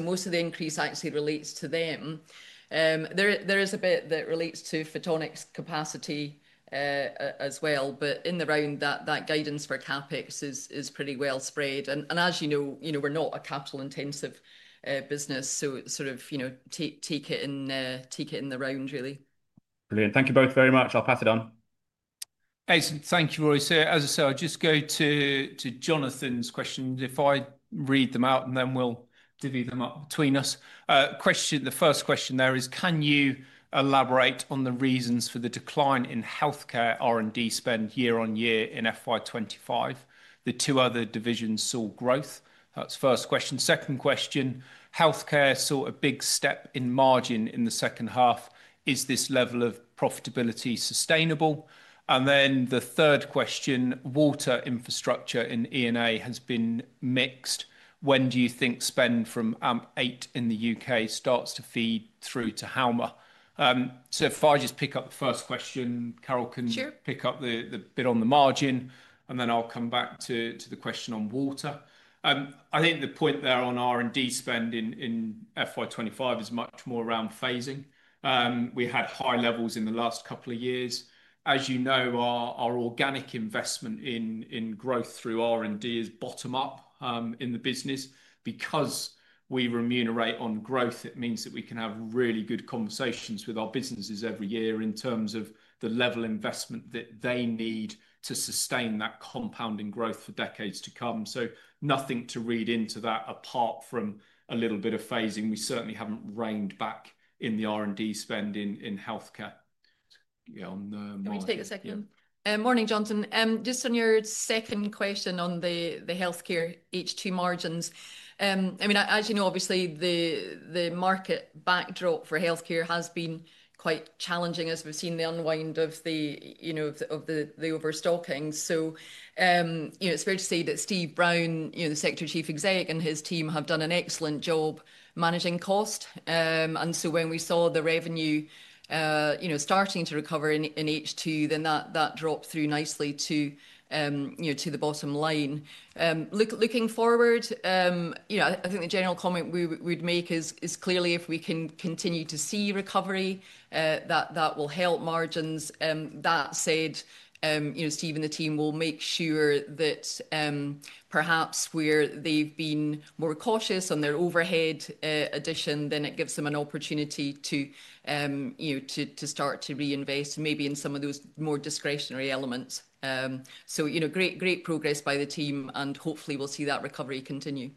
Most of the increase actually relates to them. There is a bit that relates to photonics capacity as well. In the round, that guidance for CapEx is pretty well spread. As you know, we're not a capital-intensive business. Sort of take it in the round, really. Brilliant. Thank you both very much. I'll pass it on. Hey, thank you, Rory. As I said, I'll just go to Jonathan's questions. If I read them out and then we'll divvy them up between us. The first question there is, can you elaborate on the reasons for the decline in healthcare R&D spend year on year in FY2025? The two other divisions saw growth. That's the first question. Second question, healthcare saw a big step in margin in the second half. Is this level of profitability sustainable? The third question, water infrastructure in ENA has been mixed. When do you think spend from AMP8 in the U.K. starts to feed through to Halma? If I just pick up the first question, Carole can pick up the bit on the margin. I'll come back to the question on water. I think the point there on R&D spend in FY2025 is much more around phasing. We had high levels in the last couple of years. As you know, our organic investment in growth through R&D is bottom-up in the business. Because we remunerate on growth, it means that we can have really good conversations with our businesses every year in terms of the level of investment that they need to sustain that compounding growth for decades to come. Nothing to read into that apart from a little bit of phasing. We certainly have not reined back in the R&D spend in healthcare. Let me just take a second. Morning, Jonathan. Just on your second question on the healthcare H2 margins, I mean, as you know, obviously the market backdrop for healthcare has been quite challenging as we have seen the unwind of the overstocking. It is fair to say that Steve Brown, the sector Chief Executive and his team have done an excellent job managing cost. When we saw the revenue starting to recover in H2, that dropped through nicely to the bottom line. Looking forward, I think the general comment we would make is clearly if we can continue to see recovery, that will help margins. That said, Steve and the team will make sure that perhaps where they have been more cautious on their overhead addition, it gives them an opportunity to start to reinvest maybe in some of those more discretionary elements. Great progress by the team. Hopefully we will see that recovery continue.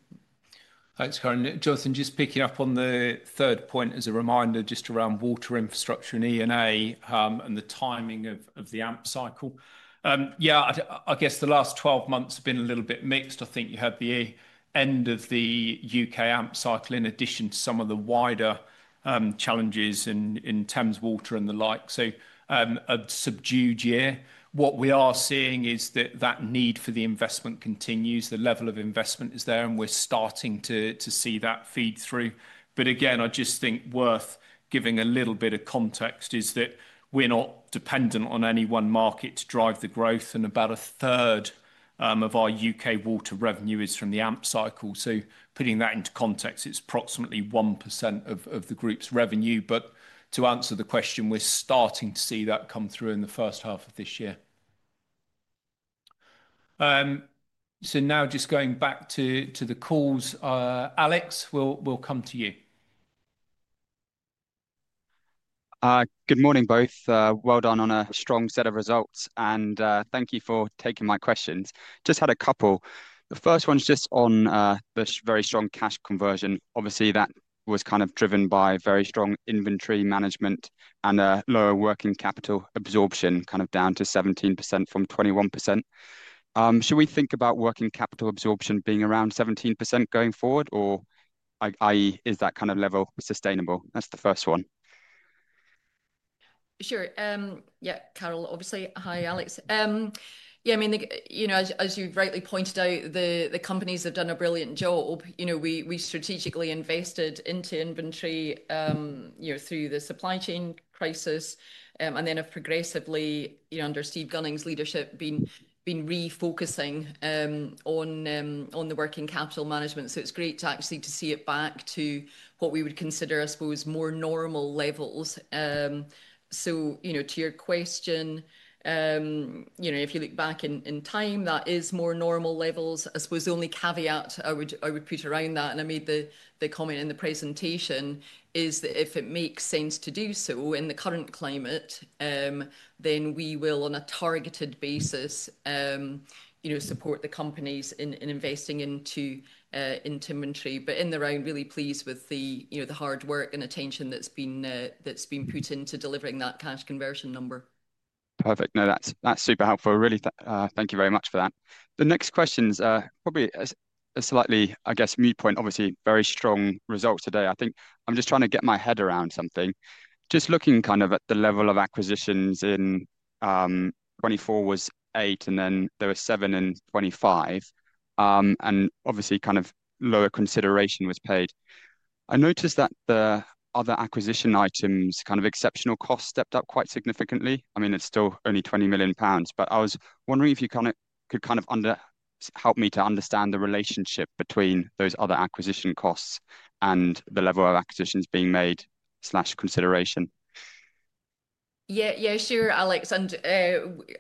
Thanks, Carole. Jonathan, just picking up on the third point as a reminder just around water infrastructure and ENA and the timing of the AMP cycle. I guess the last 12 months have been a little bit mixed. I think you had the end of the U.K. AMP cycle in addition to some of the wider challenges in Thames Water and the like. A subdued year. What we are seeing is that that need for the investment continues. The level of investment is there. We're starting to see that feed through. I just think worth giving a little bit of context is that we're not dependent on any one market to drive the growth. About a third of our U.K. water revenue is from the AMP cycle. Putting that into context, it's approximately 1% of the group's revenue. To answer the question, we're starting to see that come through in the first half of this year. Now just going back to the calls, Alex, we'll come to you. Good morning, both. Well done on a strong set of results. Thank you for taking my questions. Just had a couple. The first one's just on the very strong cash conversion. Obviously, that was kind of driven by very strong inventory management and lower working capital absorption kind of down to 17% from 21%. Should we think about working capital absorption being around 17% going forward? Or i.e., is that kind of level sustainable? That's the first one. Sure. Yeah, Carole, obviously. Hi, Alex. Yeah, I mean, as you rightly pointed out, the companies have done a brilliant job. We strategically invested into inventory through the supply chain crisis. And then have progressively, under Steve Gunning's leadership, been refocusing on the working capital management. It's great to actually see it back to what we would consider, I suppose, more normal levels. To your question, if you look back in time, that is more normal levels. I suppose the only caveat I would put around that, and I made the comment in the presentation, is that if it makes sense to do so in the current climate, then we will, on a targeted basis, support the companies in investing into inventory. In the round, really pleased with the hard work and attention that's been put into delivering that cash conversion number. Perfect. No, that's super helpful. Really, thank you very much for that. The next question's probably a slightly, I guess, moot point. Obviously, very strong results today. I think I'm just trying to get my head around something. Just looking kind of at the level of acquisitions in 2024 was 8, and then there were 7 in 2025. Obviously, kind of lower consideration was paid. I noticed that the other acquisition items, kind of exceptional costs, stepped up quite significantly. I mean, it's still only 20 million pounds. I was wondering if you could kind of help me to understand the relationship between those other acquisition costs and the level of acquisitions being made/consideration. Yeah, yeah, sure, Alex. I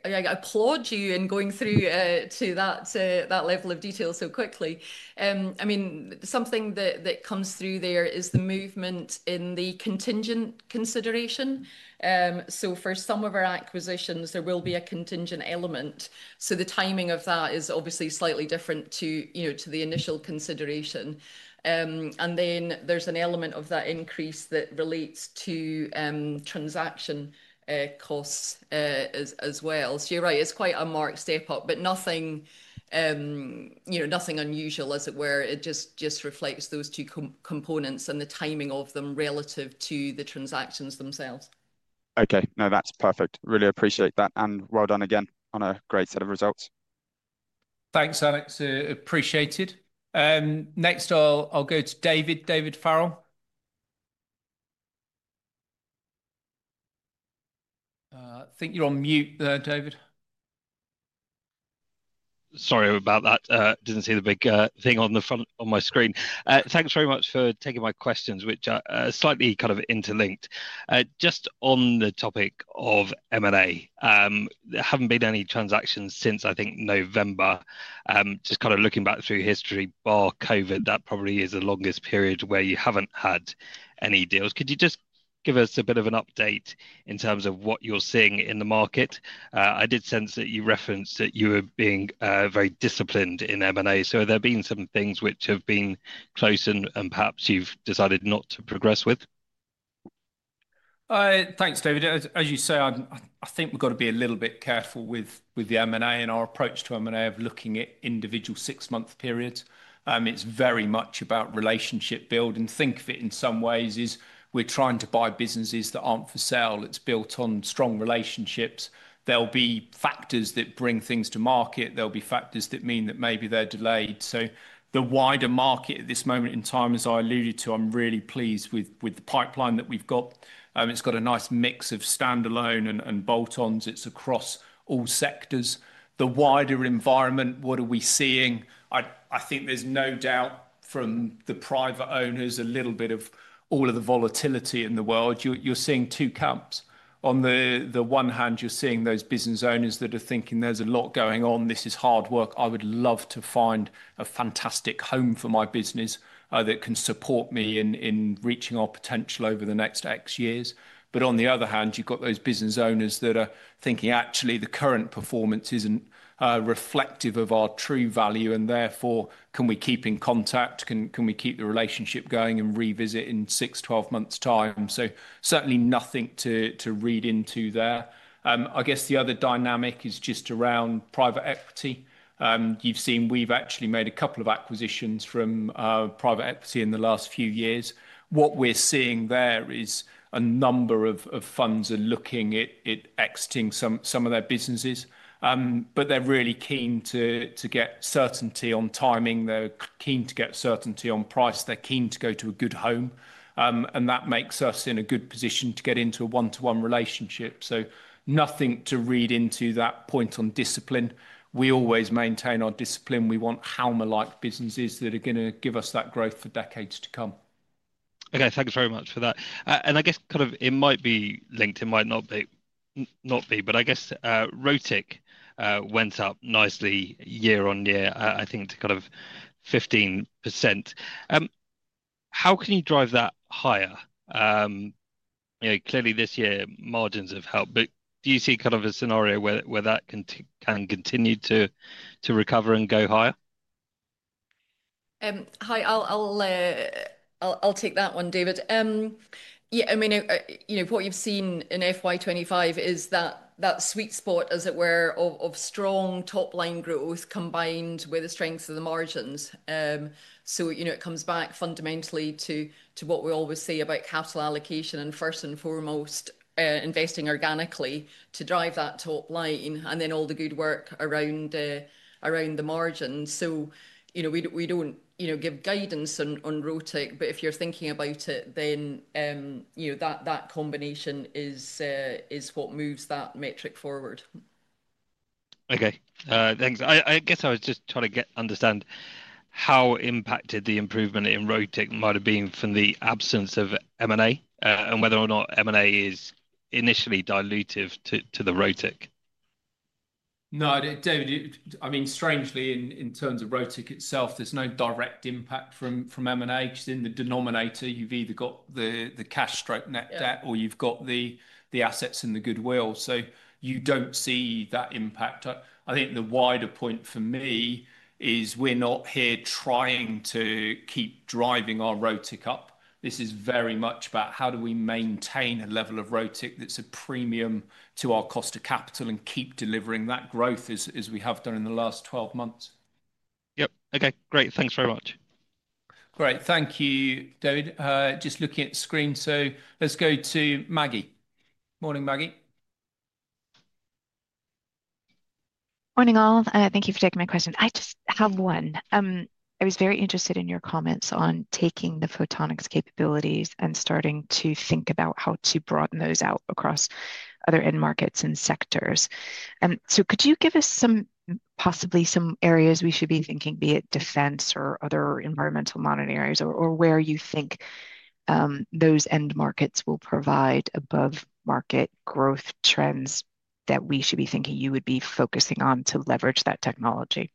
applaud you in going through to that level of detail so quickly. I mean, something that comes through there is the movement in the contingent consideration. For some of our acquisitions, there will be a contingent element. The timing of that is obviously slightly different to the initial consideration. There is an element of that increase that relates to transaction costs as well. You're right, it's quite a marked step up, but nothing unusual, as it were. It just reflects those two components and the timing of them relative to the transactions themselves. Okay, no, that's perfect. Really appreciate that. Well done again on a great set of results. Thanks, Alex. Appreciated. Next, I'll go to David. David Farrell. I think you're on mute there, David. Sorry about that. Didn't see the big thing on the front on my screen. Thanks very much for taking my questions, which are slightly kind of interlinked. Just on the topic of M&A, there haven't been any transactions since I think November. Just kind of looking back through history, bar COVID, that probably is the longest period where you haven't had any deals. Could you just give us a bit of an update in terms of what you're seeing in the market? I did sense that you referenced that you were being very disciplined in M&A. Have there been some things which have been close and perhaps you've decided not to progress with? Thanks, David. As you say, I think we've got to be a little bit careful with the M&A and our approach to M&A of looking at individual six-month periods. It's very much about relationship building. Think of it in some ways as we're trying to buy businesses that aren't for sale. It's built on strong relationships. There'll be factors that bring things to market. There'll be factors that mean that maybe they're delayed. The wider market at this moment in time, as I alluded to, I'm really pleased with the pipeline that we've got. It's got a nice mix of standalone and bolt-ons. It's across all sectors. The wider environment, what are we seeing? I think there's no doubt from the private owners, a little bit of all of the volatility in the world. You're seeing two camps. On the one hand, you're seeing those business owners that are thinking there's a lot going on. This is hard work. I would love to find a fantastic home for my business that can support me in reaching our potential over the next X years. On the other hand, you've got those business owners that are thinking, actually, the current performance isn't reflective of our true value. Therefore, can we keep in contact? Can we keep the relationship going and revisit in 6, 12 months' time? Certainly nothing to read into there. I guess the other dynamic is just around private equity. You've seen we've actually made a couple of acquisitions from private equity in the last few years. What we're seeing there is a number of funds are looking at exiting some of their businesses. They're really keen to get certainty on timing. They're keen to get certainty on price. They're keen to go to a good home. That makes us in a good position to get into a one-to-one relationship. Nothing to read into that point on discipline. We always maintain our discipline. We want Halma-like businesses that are going to give us that growth for decades to come. Okay, thanks very much for that. I guess kind of it might be linked, it might not be, but I guess ROTIC went up nicely year on year, I think, to kind of 15%. How can you drive that higher? Clearly, this year, margins have helped. Do you see kind of a scenario where that can continue to recover and go higher? Hi, I'll take that one, David. Yeah, I mean, what you've seen in FY2025 is that sweet spot, as it were, of strong top-line growth combined with the strength of the margins. It comes back fundamentally to what we always say about capital allocation and first and foremost, investing organically to drive that top line and then all the good work around the margins. We do not give guidance on ROTIC, but if you're thinking about it, then that combination is what moves that metric forward. Okay, thanks. I guess I was just trying to understand how impacted the improvement in ROTIC might have been from the absence of M&A and whether or not M&A is initially dilutive to the ROTIC. No, David, I mean, strangely, in terms of ROTIC itself, there's no direct impact from M&A. Just in the denominator, you've either got the cash stroke net debt or you've got the assets and the goodwill. You do not see that impact. I think the wider point for me is we're not here trying to keep driving our ROTIC up. This is very much about how do we maintain a level of ROTIC that's a premium to our cost of capital and keep delivering that growth as we have done in the last 12 months. Yep. Okay, great. Thanks very much. Great. Thank you, David. Just looking at the screen. Let's go to Maggie. Morning, Maggie. Morning, all. Thank you for taking my question. I just have one. I was very interested in your comments on taking the photonics capabilities and starting to think about how to broaden those out across other end markets and sectors. Could you give us possibly some areas we should be thinking, be it defense or other environmental monitoring areas or where you think those end markets will provide above-market growth trends that we should be thinking you would be focusing on to leverage that technology?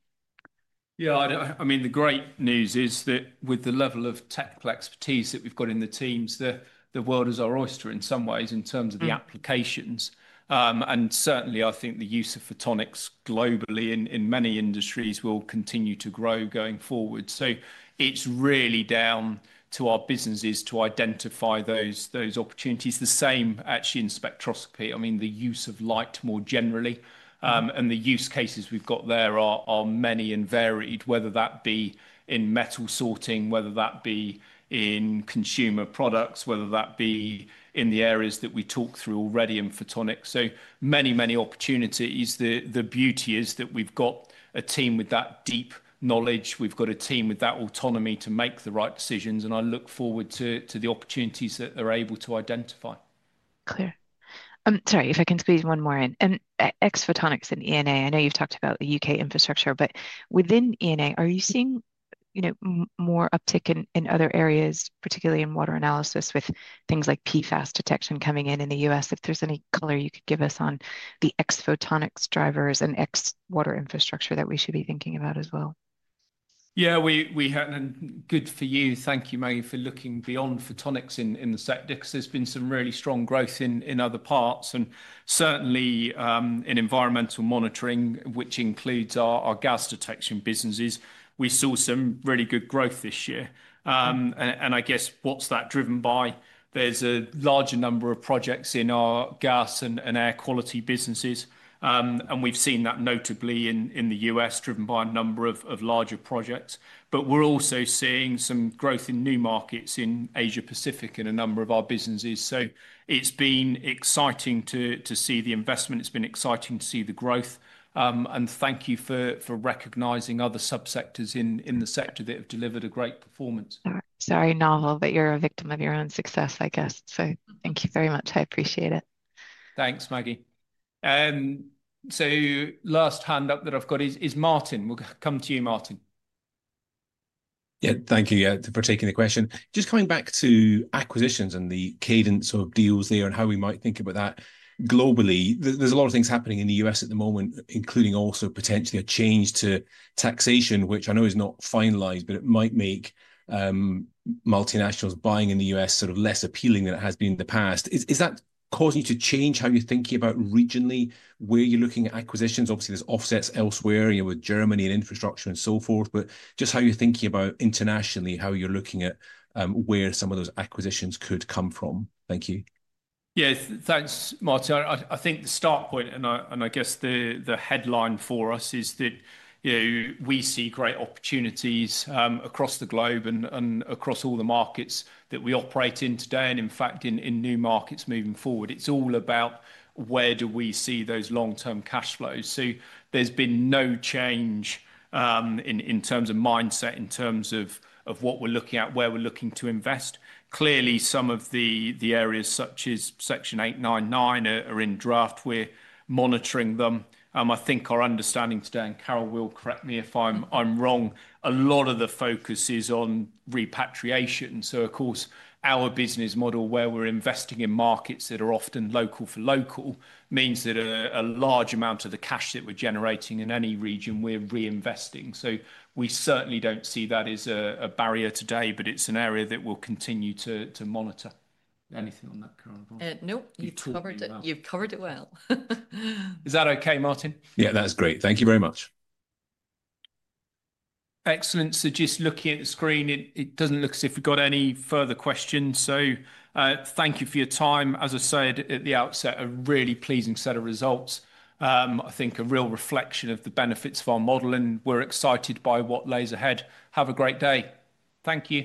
Yeah, I mean, the great news is that with the level of technical expertise that we have got in the teams, the world is our oyster in some ways in terms of the applications. Certainly, I think the use of photonics globally in many industries will continue to grow going forward. It is really down to our businesses to identify those opportunities. The same, actually, in spectroscopy. I mean, the use of light more generally. The use cases we've got there are many and varied, whether that be in metal sorting, whether that be in consumer products, whether that be in the areas that we talked through already in photonics. So many, many opportunities. The beauty is that we've got a team with that deep knowledge. We've got a team with that autonomy to make the right decisions. I look forward to the opportunities that they're able to identify. Clear. Sorry, if I can squeeze one more in. X-Photonics and ENA, I know you've talked about the U.K. infrastructure, but within ENA, are you seeing more uptick in other areas, particularly in water analysis with things like PFAS detection coming in in the U.S.? If there's any color you could give us on the X-Photonics drivers and X-water infrastructure that we should be thinking about as well. Yeah, good for you. Thank you, Maggie, for looking beyond photonics in the sector because there's been some really strong growth in other parts. Certainly, in environmental monitoring, which includes our gas detection businesses, we saw some really good growth this year. I guess what's that driven by? There's a larger number of projects in our gas and air quality businesses. We've seen that notably in the U.S., driven by a number of larger projects. We're also seeing some growth in new markets in Asia-Pacific in a number of our businesses. It's been exciting to see the investment. It's been exciting to see the growth. Thank you for recognizing other subsectors in the sector that have delivered a great performance. Sorry, Nawal, but you're a victim of your own success, I guess. Thank you very much. I appreciate it. Thanks, Maggie. Last hand up that I've got is Martin. We'll come to you, Martin. Yeah, thank you for taking the question. Just coming back to acquisitions and the cadence of deals there and how we might think about that globally, there's a lot of things happening in the U.S. at the moment, including also potentially a change to taxation, which I know is not finalized, but it might make multinationals buying in the U.S. sort of less appealing than it has been in the past. Is that causing you to change how you're thinking about regionally, where you're looking at acquisitions? Obviously, there's offsets elsewhere with Germany and infrastructure and so forth. Just how you're thinking about internationally, how you're looking at where some of those acquisitions could come from. Thank you. Yes, thanks, Martin. I think the start point, and I guess the headline for us is that we see great opportunities across the globe and across all the markets that we operate in today and, in fact, in new markets moving forward. It's all about where do we see those long-term cash flows. There has been no change in terms of mindset, in terms of what we're looking at, where we're looking to invest. Clearly, some of the areas such as Section 899 are in draft. We're monitoring them. I think our understanding today, and Carole will correct me if I'm wrong, a lot of the focus is on repatriation. Of course, our business model, where we're investing in markets that are often local for local, means that a large amount of the cash that we're generating in any region, we're reinvesting. We certainly don't see that as a barrier today, but it's an area that we'll continue to monitor. Anything on that, Carole? Nope, you've covered it well. Is that okay, Martin? Yeah, that's great. Thank you very much. Excellent. Just looking at the screen, it doesn't look as if we've got any further questions. Thank you for your time. As I said at the outset, a really pleasing set of results. I think a real reflection of the benefits of our model. We're excited by what lays ahead. Have a great day. Thank you.